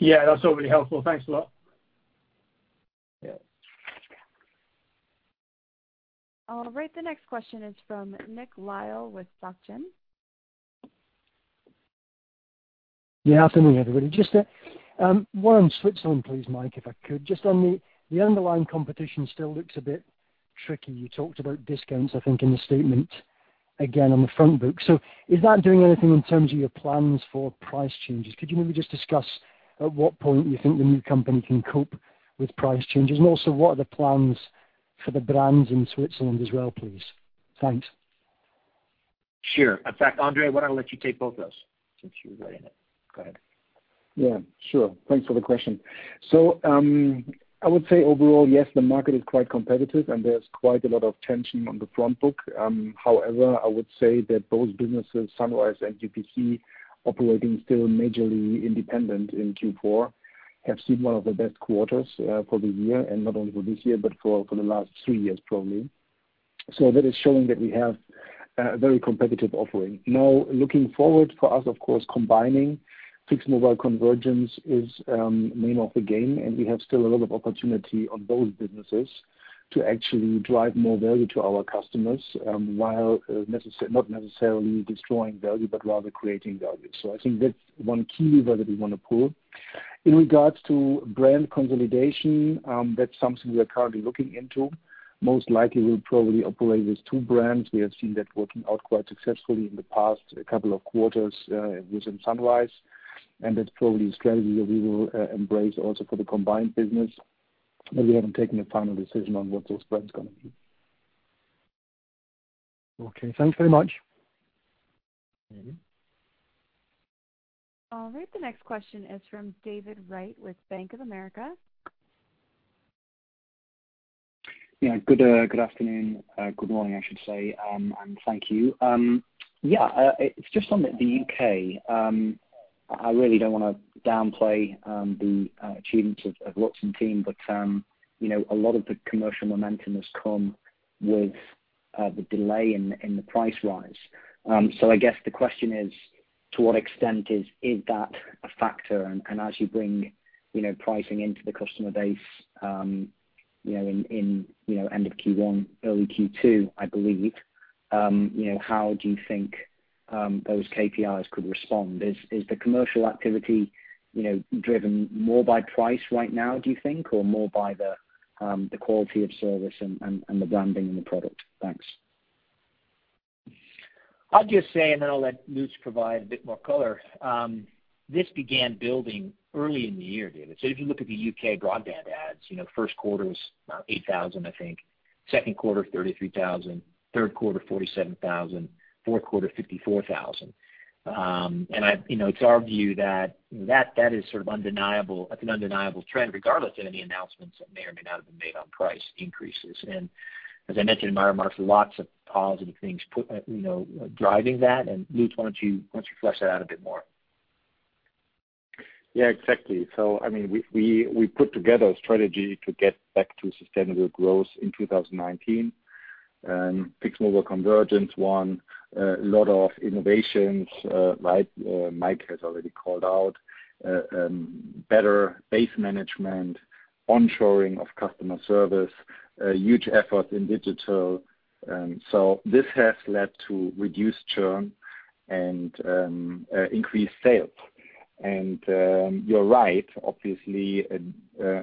Yeah. That's all really helpful. Thanks a lot. Yeah. All right. The next question is from Nick Lyall with Societe Generale. Yeah. Afternoon, everybody. Just one on Switzerland, please, Mike, if I could. Just on the underlying competition, still looks a bit tricky. You talked about discounts, I think, in the statement again on the front book. So is that doing anything in terms of your plans for price changes? Could you maybe just discuss at what point you think the new company can cope with price changes? And also, what are the plans for the brands in Switzerland as well, please? Thanks. Sure. In fact, André, why don't I let you take both of those since you were writing it? Go ahead. Yeah. Sure. Thanks for the question. So I would say overall, yes, the market is quite competitive, and there's quite a lot of tension on the front book. However, I would say that both businesses, Sunrise and UPC, operating still majorly independent in Q4, have seen one of the best quarters for the year, and not only for this year but for the last three years, probably. So that is showing that we have a very competitive offering. Now, looking forward for us, of course, combining fixed mobile convergence is the name of the game, and we have still a lot of opportunity on those businesses to actually drive more value to our customers while not necessarily destroying value but rather creating value. So I think that's one key lever that we want to pull. In regards to brand consolidation, that's something we are currently looking into. Most likely, we'll probably operate with two brands. We have seen that working out quite successfully in the past couple of quarters within Sunrise, and that's probably a strategy that we will embrace also for the combined business. But we haven't taken a final decision on what those brands are going to be. Okay. Thanks very much. All right. The next question is from David Wright with Bank of America. Yeah. Good afternoon. Good morning, I should say, and thank you. Yeah. It's just on the UK. I really don't want to downplay the achievements of Lutz and team, but a lot of the commercial momentum has come with the delay in the price rise. So I guess the question is, to what extent is that a factor? And as you bring pricing into the customer base in end of Q1, early Q2, I believe, how do you think those KPIs could respond? Is the commercial activity driven more by price right now, do you think, or more by the quality of service and the branding and the product? Thanks. I'll just say, and then I'll let Lutz provide a bit more color. This began building early in the year, David. So if you look at the UK broadband adds, first quarter was about 8,000, I think. Second quarter, 33,000. Third quarter, 47,000. Fourth quarter, 54,000. And it's our view that that is sort of undeniable. That's an undeniable trend regardless of any announcements that may or may not have been made on price increases. And as I mentioned in my remarks, lots of positive things driving that. And Lutz, why don't you flesh that out a bit more? Yeah. Exactly. So I mean, we put together a strategy to get back to sustainable growth in 2019. Fixed-mobile convergence, one. A lot of innovations, right? Mike has already called out. Better base management, onshoring of customer service, huge efforts in digital. So this has led to reduced churn and increased sales. And you're right. Obviously,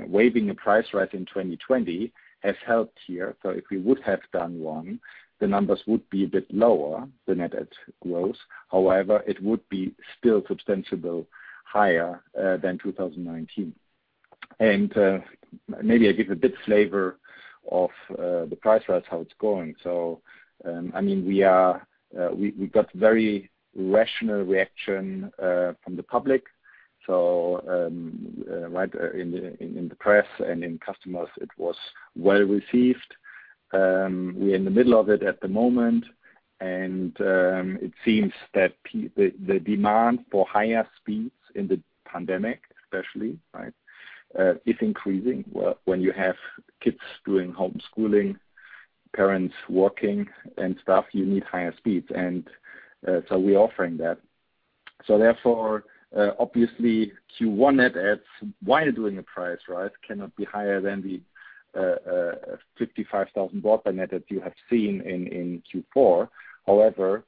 waiving a price rise in 2020 has helped here. So if we would have done one, the numbers would be a bit lower than net growth. However, it would be still substantially higher than 2019. And maybe I give a bit of flavor of the price rise, how it's going. So I mean, we got very rational reaction from the public. So right in the press and in customers, it was well received. We are in the middle of it at the moment, and it seems that the demand for higher speeds in the pandemic, especially, right, is increasing. When you have kids doing homeschooling, parents working and stuff, you need higher speeds. And so we're offering that. So therefore, obviously, Q1 net adds, while doing a price rise, cannot be higher than the 55,000 broadband net adds you have seen in Q4. However,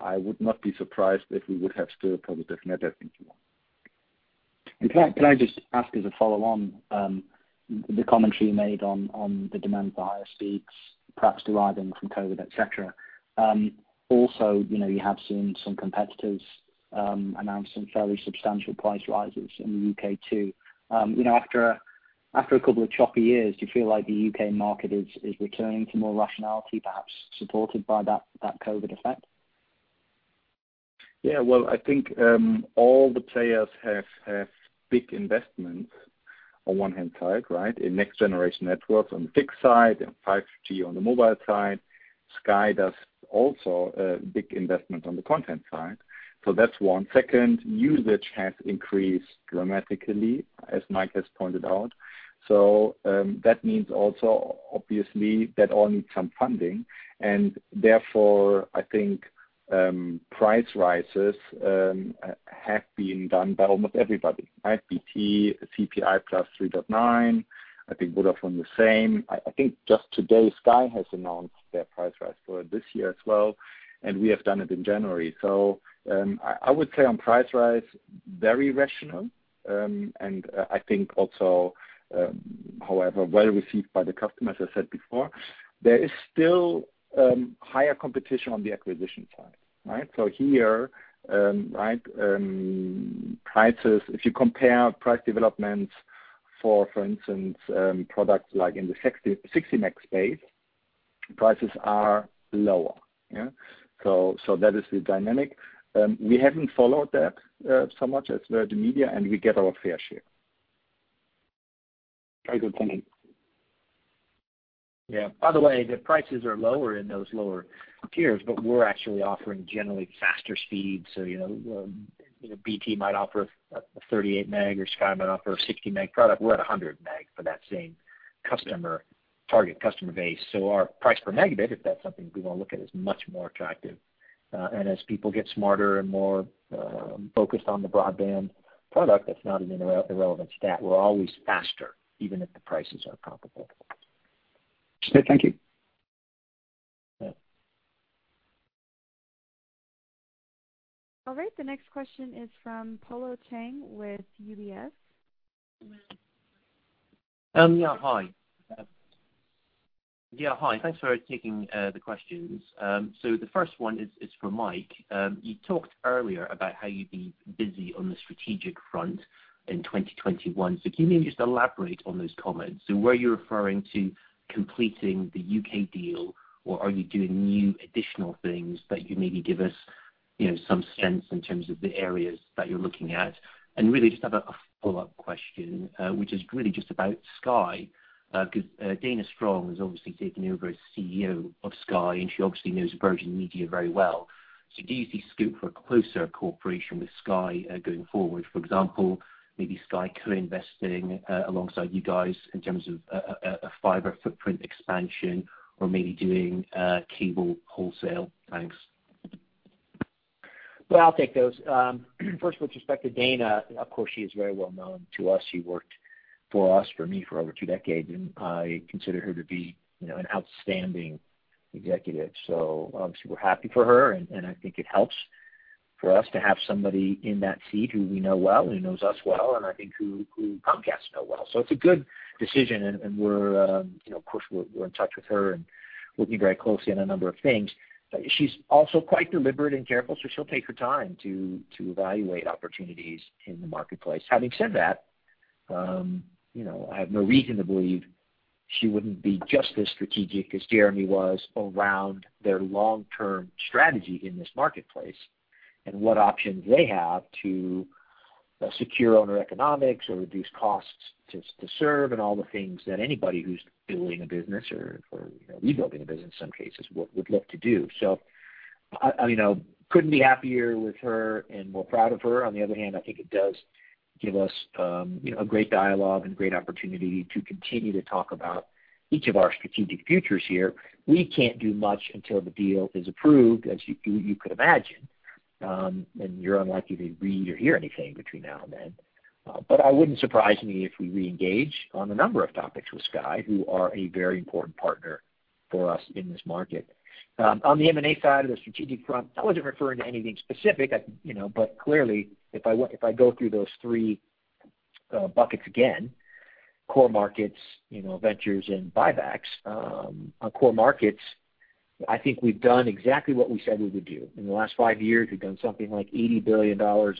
I would not be surprised if we would have still positive net adds in Q1. Can I just ask as a follow-on the commentary you made on the demand for higher speeds, perhaps deriving from COVID, etc.? Also, you have seen some competitors announcing fairly substantial price rises in the U.K. too. After a couple of choppy years, do you feel like the U.K. market is returning to more rationality, perhaps supported by that COVID effect? Yeah. Well, I think all the players have big investments on one hand side, right, in next-generation networks on the fixed side and 5G on the mobile side. Sky does also a big investment on the content side. So that's one. Second, usage has increased dramatically, as Mike has pointed out. So that means also, obviously, that all needs some funding. And therefore, I think price rises have been done by almost everybody, right? BT, CPI plus 3.9%. I think Vodafone the same. I think just today, Sky has announced their price rise for this year as well, and we have done it in January. So I would say on price rise, very rational. And I think also, however, well received by the customers, as I said before. There is still higher competition on the acquisition side, right? So here, right, prices, if you compare price developments for, for instance, products like in the 60 meg space, prices are lower. Yeah. So that is the dynamic. We haven't followed that so much as Virgin Media, and we get our fair share. Very good comment. Yeah. By the way, the prices are lower in those lower tiers, but we're actually offering generally faster speeds. So BT might offer a 38 meg, or Sky might offer a 60 meg product. We're at 100 meg for that same target customer base. So our price per megabit, if that's something we want to look at, is much more attractive. And as people get smarter and more focused on the broadband product, that's not an irrelevant stat. We're always faster, even if the prices are comparable. Okay. Thank you. Yeah. All right. The next question is from Polo Tang with UBS. Yeah. Hi. Yeah. Hi. Thanks for taking the questions. So the first one is for Mike. You talked earlier about how you'd be busy on the strategic front in 2021. So can you maybe just elaborate on those comments? Were you referring to completing the UK deal, or are you doing new additional things that you maybe give us some sense in terms of the areas that you're looking at? And really, just have a follow-up question, which is really just about Sky, because Dana Strong has obviously taken over as CEO of Sky, and she obviously knows Virgin Media very well. So do you see scope for a closer cooperation with Sky going forward? For example, maybe Sky co-investing alongside you guys in terms of a fiber footprint expansion, or maybe doing cable wholesale? Thanks. I'll take those. First, with respect to Dana, of course, she is very well known to us. She worked for us, for me, for over two decades, and I consider her to be an outstanding executive. So obviously, we're happy for her, and I think it helps for us to have somebody in that seat who we know well and who knows us well and I think who Comcast knows well. So it's a good decision, and of course, we're in touch with her and working very closely on a number of things. She's also quite deliberate and careful, so she'll take her time to evaluate opportunities in the marketplace. Having said that, I have no reason to believe she wouldn't be just as strategic as Jeremy was around their long-term strategy in this marketplace and what options they have to secure owner economics or reduce costs to serve and all the things that anybody who's building a business or rebuilding a business in some cases would love to do. So I couldn't be happier with her and more proud of her. On the other hand, I think it does give us a great dialogue and great opportunity to continue to talk about each of our strategic futures here. We can't do much until the deal is approved, as you could imagine, and you're unlikely to read or hear anything between now and then. But I wouldn't surprise me if we re-engage on a number of topics with Sky, who are a very important partner for us in this market. On the M&A side of the strategic front, I wasn't referring to anything specific, but clearly, if I go through those three buckets again, core markets, ventures, and buybacks, on core markets, I think we've done exactly what we said we would do. In the last five years, we've done something like $80 billion or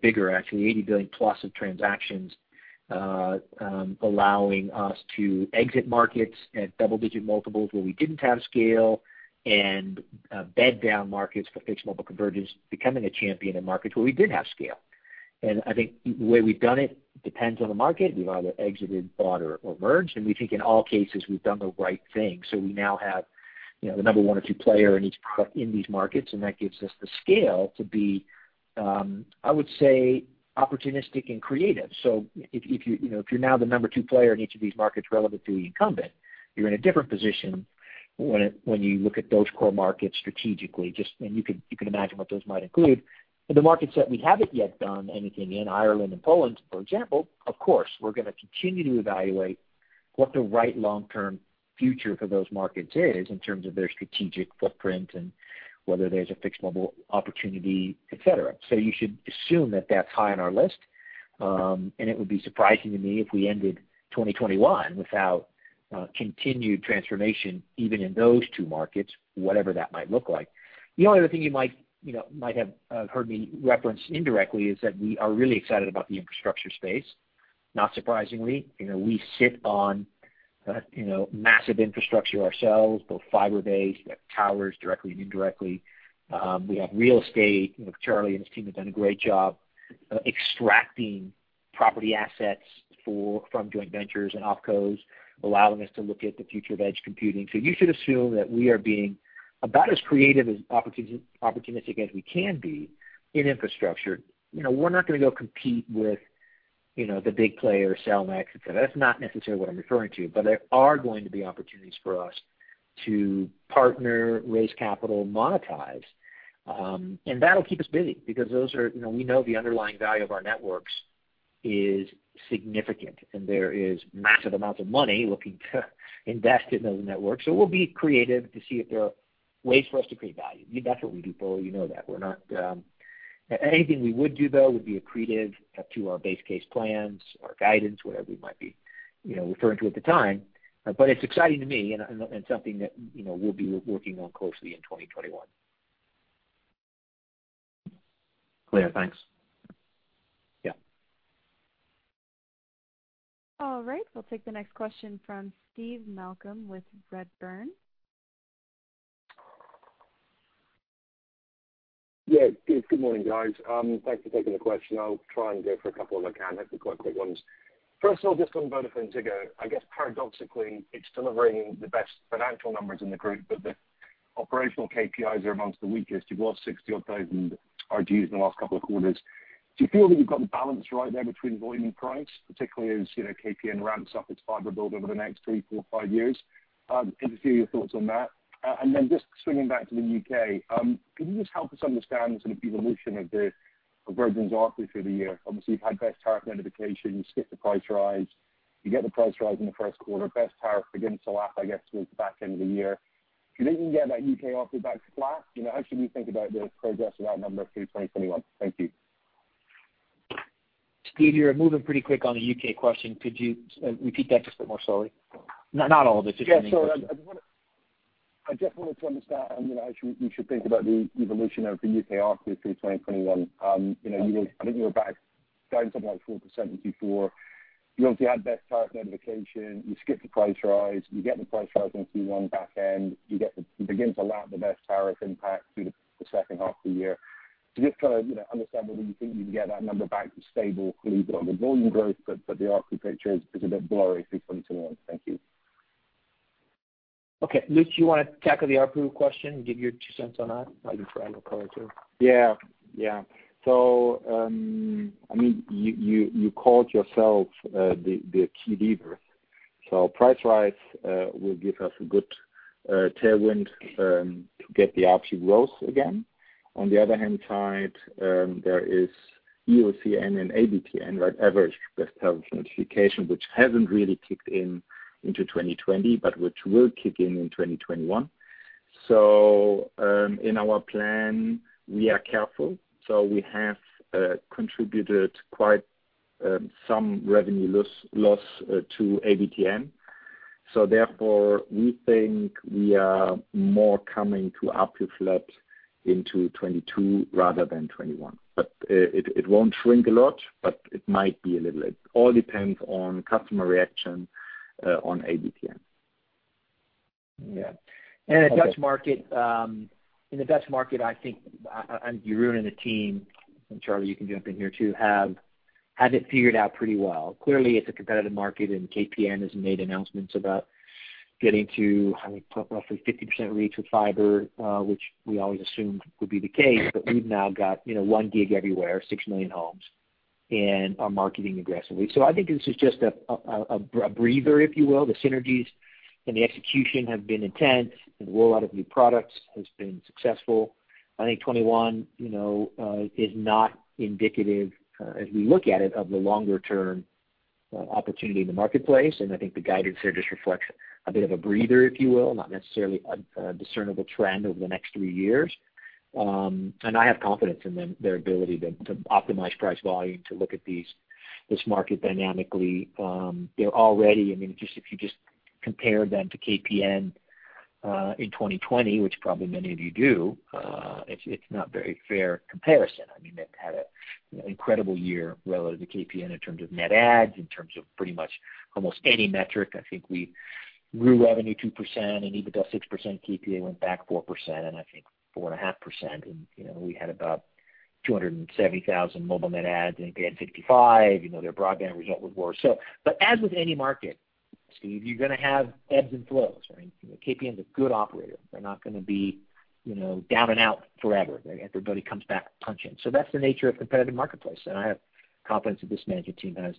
bigger, actually, $80 billion plus of transactions allowing us to exit markets at double-digit multiples where we didn't have scale and bed down markets for fixed mobile convergence, becoming a champion in markets where we did have scale. And I think the way we've done it depends on the market. We've either exited, bought, or merged, and we think in all cases, we've done the right thing. So we now have the number one or two player in these markets, and that gives us the scale to be, I would say, opportunistic and creative. So if you're now the number two player in each of these markets relative to the incumbent, you're in a different position when you look at those core markets strategically. And you can imagine what those might include. In the markets that we haven't yet done anything in, Ireland and Poland, for example, of course, we're going to continue to evaluate what the right long-term future for those markets is in terms of their strategic footprint and whether there's a fixed mobile opportunity, etc. So you should assume that that's high on our list, and it would be surprising to me if we ended 2021 without continued transformation even in those two markets, whatever that might look like. The only other thing you might have heard me reference indirectly is that we are really excited about the infrastructure space. Not surprisingly, we sit on massive infrastructure ourselves, both fiber-based, towers directly and indirectly. We have real estate. Charlie and his team have done a great job extracting property assets from joint ventures and offloads, allowing us to look at the future of edge computing. You should assume that we are being about as creative and as opportunistic as we can be in infrastructure. We're not going to go compete with the big player, Cellnex, etc. That's not necessarily what I'm referring to, but there are going to be opportunities for us to partner, raise capital, monetize. And that'll keep us busy because we know the underlying value of our networks is significant, and there is massive amounts of money looking to invest in those networks. So we'll be creative to see if there are ways for us to create value. That's what we do, for you know that. Anything we would do, though, would be accretive to our base case plans, our guidance, whatever we might be referring to at the time. But it's exciting to me and something that we'll be working on closely in 2021. Clear. Thanks. Yeah. All right. We'll take the next question from Steve Malcolm with Redburn. Yeah. Good morning, guys. Thanks for taking the question. I'll try and go for a couple of mechanics, the quick ones. First of all, just on VodafoneZiggo. I guess paradoxically, it's delivering the best financial numbers in the group, but the operational KPIs are among the weakest. You've lost 60-odd thousand RGUs in the last couple of quarters. Do you feel that you've got the balance right there between volume and price, particularly as KPN ramps up its fiber build over the next three, four, five years? Interested in your thoughts on that. And then just swinging back to the UK, can you just help us understand the sort of evolution of the Virgin's ARPU through the year? Obviously, you've had Best Tariff Notification. You skip the price rise. You get the price rise in the first quarter. Best Tariff begins to lap, I guess, towards the back end of the year. Do you think you can get that UK ARPU back flat? How should we think about the progress of that number through 2021? Thank you. Steve, you're moving pretty quick on the UK question. Could you repeat that just a bit more slowly? Not all of it. Just the UK. Yeah. So I just wanted to understand, as you should think about the evolution of the UK ARPU through 2021. I think you were about starting something like 4% in Q4. You obviously had Best Tariff Notification. You skip the price rise. You get the price rise in Q1 back end. You begin to lap the Best Tariff impact through the second half of the year. Just trying to understand whether you think you can get that number back to stable, leave the volume growth, but the ARPU picture is a bit blurry through 2021. Thank you. Okay. Lutz, do you want to tackle the ARPU question? Give your two cents on that. I'll just add a comment too. Yeah. Yeah. So I mean, you called yourself the key lever. So price rise will give us a good tailwind to get the ARPU growth again. On the other hand side, there is EOCN and ABTN, right, Average Best Tariff Notification, which hasn't really kicked in in 2020, but which will kick in in 2021. So in our plan, we are careful. So we have attributed quite some revenue loss to ABTN. So therefore, we think we are more coming to ARPU flat into 2022 rather than 2021. But it won't shrink a lot, but it might be a little bit. All depends on customer reaction on ABTN. Yeah. And in the Dutch market, I think you're right, and the team. And Charlie, you can jump in here too, have it figured out pretty well. Clearly, it's a competitive market, and KPN has made announcements about getting to roughly 50% reach with fiber, which we always assumed would be the case, but we've now got 1 gig everywhere, six million homes, and are marketing aggressively. So I think this is just a breather, if you will. The synergies and the execution have been intense, and the rollout of new products has been successful. I think 2021 is not indicative, as we look at it, of the longer-term opportunity in the marketplace. I think the guidance here just reflects a bit of a breather, if you will, not necessarily a discernible trend over the next three years. And I have confidence in their ability to optimize price volume, to look at this market dynamically. They're already, I mean, if you just compare them to KPN in 2020, which probably many of you do, it's not a very fair comparison. I mean, they've had an incredible year relative to KPN in terms of net adds, in terms of pretty much almost any metric. I think we grew revenue 2%, and even though KPN went back 4%, and I think 4.5%. And we had about 270,000 mobile net adds, and KPN had 55, their broadband result was worse. But as with any market, Steve, you're going to have ebbs and flows, right? KPN's a good operator. They're not going to be down and out forever. Everybody comes back to punch in. So that's the nature of a competitive marketplace. And I have confidence that this management team has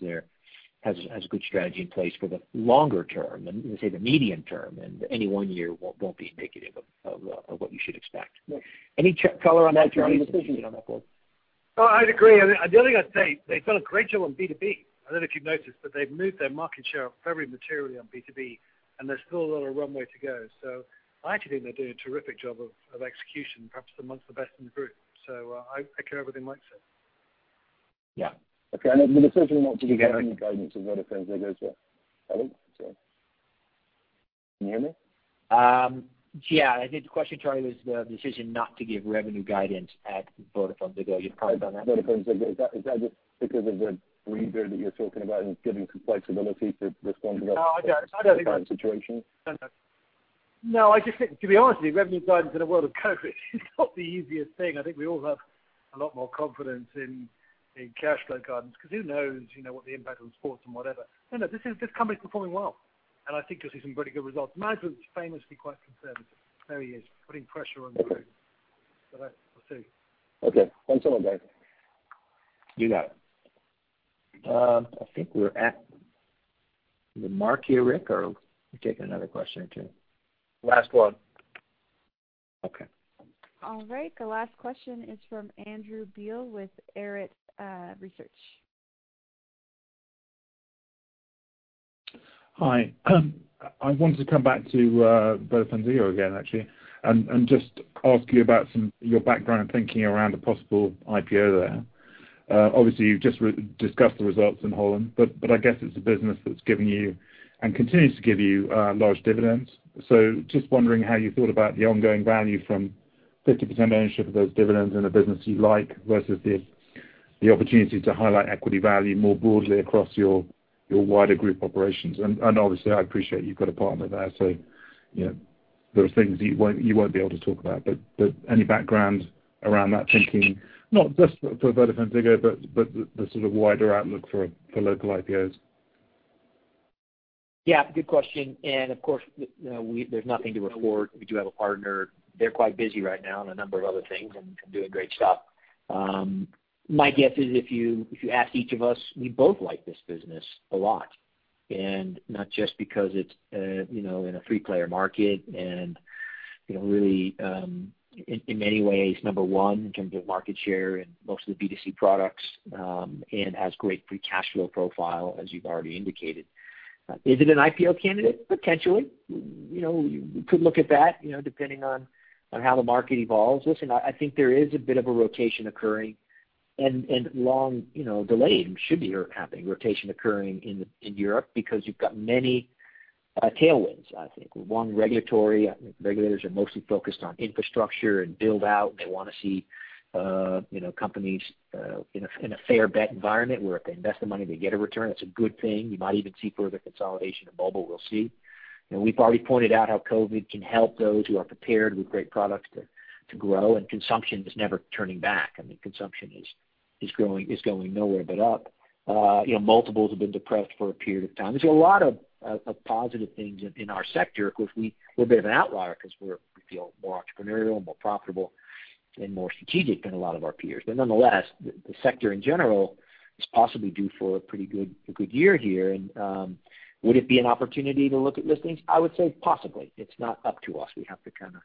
a good strategy in place for the longer term, and say the medium term, and any one year won't be indicative of what you should expect. Any color on that, Charlie? I'd agree. The only thing I'd say, they've done a great job on B2B. I don't know if you've noticed, but they've moved their market share very materially on B2B, and there's still a lot of runway to go. So I actually think they're doing a terrific job of execution, perhaps amongst the best in the group. So I care everything Mike says. Yeah. Okay. And the decision not to give revenue guidance is VodafoneZiggo's decision. Can you hear me? Yeah. The question, Charlie, was the decision not to give revenue guidance at VodafoneZiggo. You've probably done that. VodafoneZiggo, is that just because of the breather that you're talking about and giving some flexibility to respond to that situation? No, I don't think so. No, no. No, I just think, to be honest with you, revenue guidance in a world of COVID is not the easiest thing. I think we all have a lot more confidence in cash flow guidance because who knows what the impact on sports and whatever. No, no. This company's performing well, and I think you'll see some pretty good results. Management's famously quite conservative. There he is, putting pressure on the group. So that's what I'll say. Okay. Thanks a lot, guys. You got it. I think we're at the mark, here, Rick, or are we taking another question or two? Last one. Okay. All right. The last question is from Andrew Beale with Arete Research. Hi. I wanted to come back to VodafoneZiggo again, actually, and just ask you about your background thinking around a possible IPO there. Obviously, you've just discussed the results in Holland, but I guess it's a business that's given you and continues to give you large dividends. So just wondering how you thought about the ongoing value from 50% ownership of those dividends in a business you like versus the opportunity to highlight equity value more broadly across your wider group operations. And obviously, I appreciate you've got a partner there. So there are things that you won't be able to talk about, but any background around that thinking, not just for VodafoneZiggo, but the sort of wider outlook for local IPOs? Yeah. Good question. And of course, there's nothing to report. We do have a partner. They're quite busy right now on a number of other things and doing great stuff. My guess is if you ask each of us, we both like this business a lot, and not just because it's in a four-player market and really, in many ways, number one in terms of market share and most of the B2C products and has great free cash flow profile, as you've already indicated. Is it an IPO candidate? Potentially. We could look at that depending on how the market evolves. Listen, I think there is a bit of a rotation occurring and long delayed should be happening in Europe because you've got many tailwinds, I think. One, regulatory. Regulators are mostly focused on infrastructure and build-out. They want to see companies in a fair bet environment where if they invest the money, they get a return. It's a good thing. You might even see further consolidation of mobile. We'll see. And we've already pointed out how COVID can help those who are prepared with great products to grow, and consumption is never turning back. I mean, consumption is going nowhere but up. Multiples have been depressed for a period of time. There's a lot of positive things in our sector. Of course, we're a bit of an outlier because we feel more entrepreneurial, more profitable, and more strategic than a lot of our peers. But nonetheless, the sector in general is possibly due for a pretty good year here. And would it be an opportunity to look at listings? I would say possibly. It's not up to us. We have to kind of,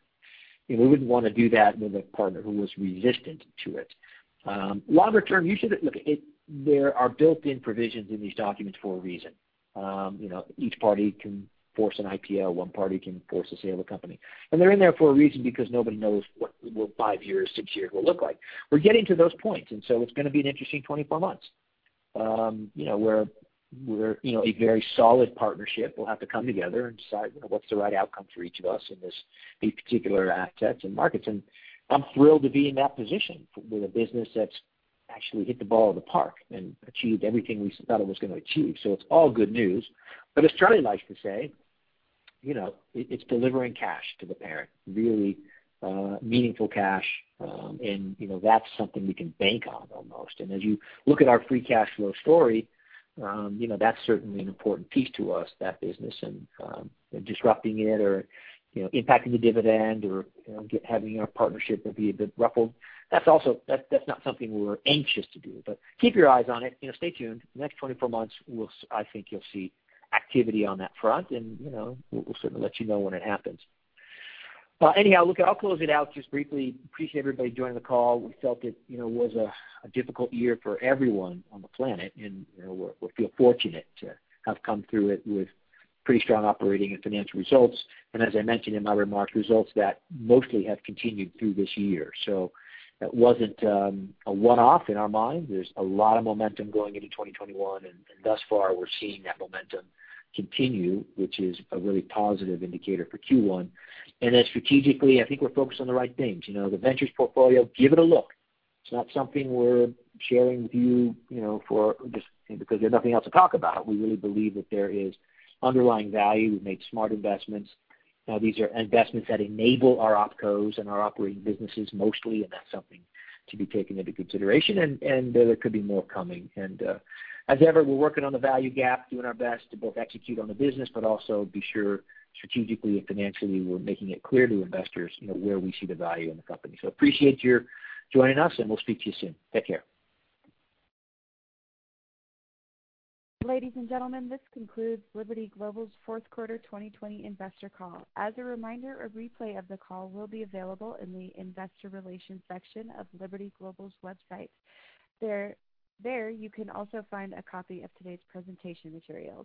we wouldn't want to do that with a partner who was resistant to it. Longer-term, you should look. There are built-in provisions in these documents for a reason. Each party can force an IPO. One party can force a sale of a company. And they're in there for a reason because nobody knows what five years, six years will look like. We're getting to those points. And so it's going to be an interesting 24 months where a very solid partnership will have to come together and decide what's the right outcome for each of us in these particular assets and markets. And I'm thrilled to be in that position with a business that's actually hit the ball in the park and achieved everything we thought it was going to achieve. So it's all good news. But as Charlie likes to say, it's delivering cash to the parent, really meaningful cash. And that's something we can bank on almost. As you look at our Free Cash Flow story, that's certainly an important piece to us, that business, and disrupting it or impacting the dividend or having our partnership be a bit ruffled. That's not something we're anxious to do. Keep your eyes on it. Stay tuned. Next 24 months, I think you'll see activity on that front. We'll certainly let you know when it happens. Anyhow, look, I'll close it out just briefly. Appreciate everybody joining the call. We felt it was a difficult year for everyone on the planet, and we feel fortunate to have come through it with pretty strong operating and financial results. As I mentioned in my remarks, results that mostly have continued through this year. It wasn't a one-off in our mind. There's a lot of momentum going into 2021, and thus far, we're seeing that momentum continue, which is a really positive indicator for Q1, and then strategically, I think we're focused on the right things. The Ventures portfolio, give it a look. It's not something we're sharing with you not just because there's nothing else to talk about. We really believe that there is underlying value. We've made smart investments. Now, these are investments that enable our opcos and our operating businesses mostly, and that's something to be taken into consideration, and there could be more coming, and as ever, we're working on the value gap, doing our best to both execute on the business, but also be sure strategically and financially we're making it clear to investors where we see the value in the company, so appreciate your joining us, and we'll speak to you soon. Take care. Ladies and gentlemen, this concludes Liberty Global's fourth quarter 2020 investor call. As a reminder, a replay of the call will be available in the investor relations section of Liberty Global's website. There, you can also find a copy of today's presentation material.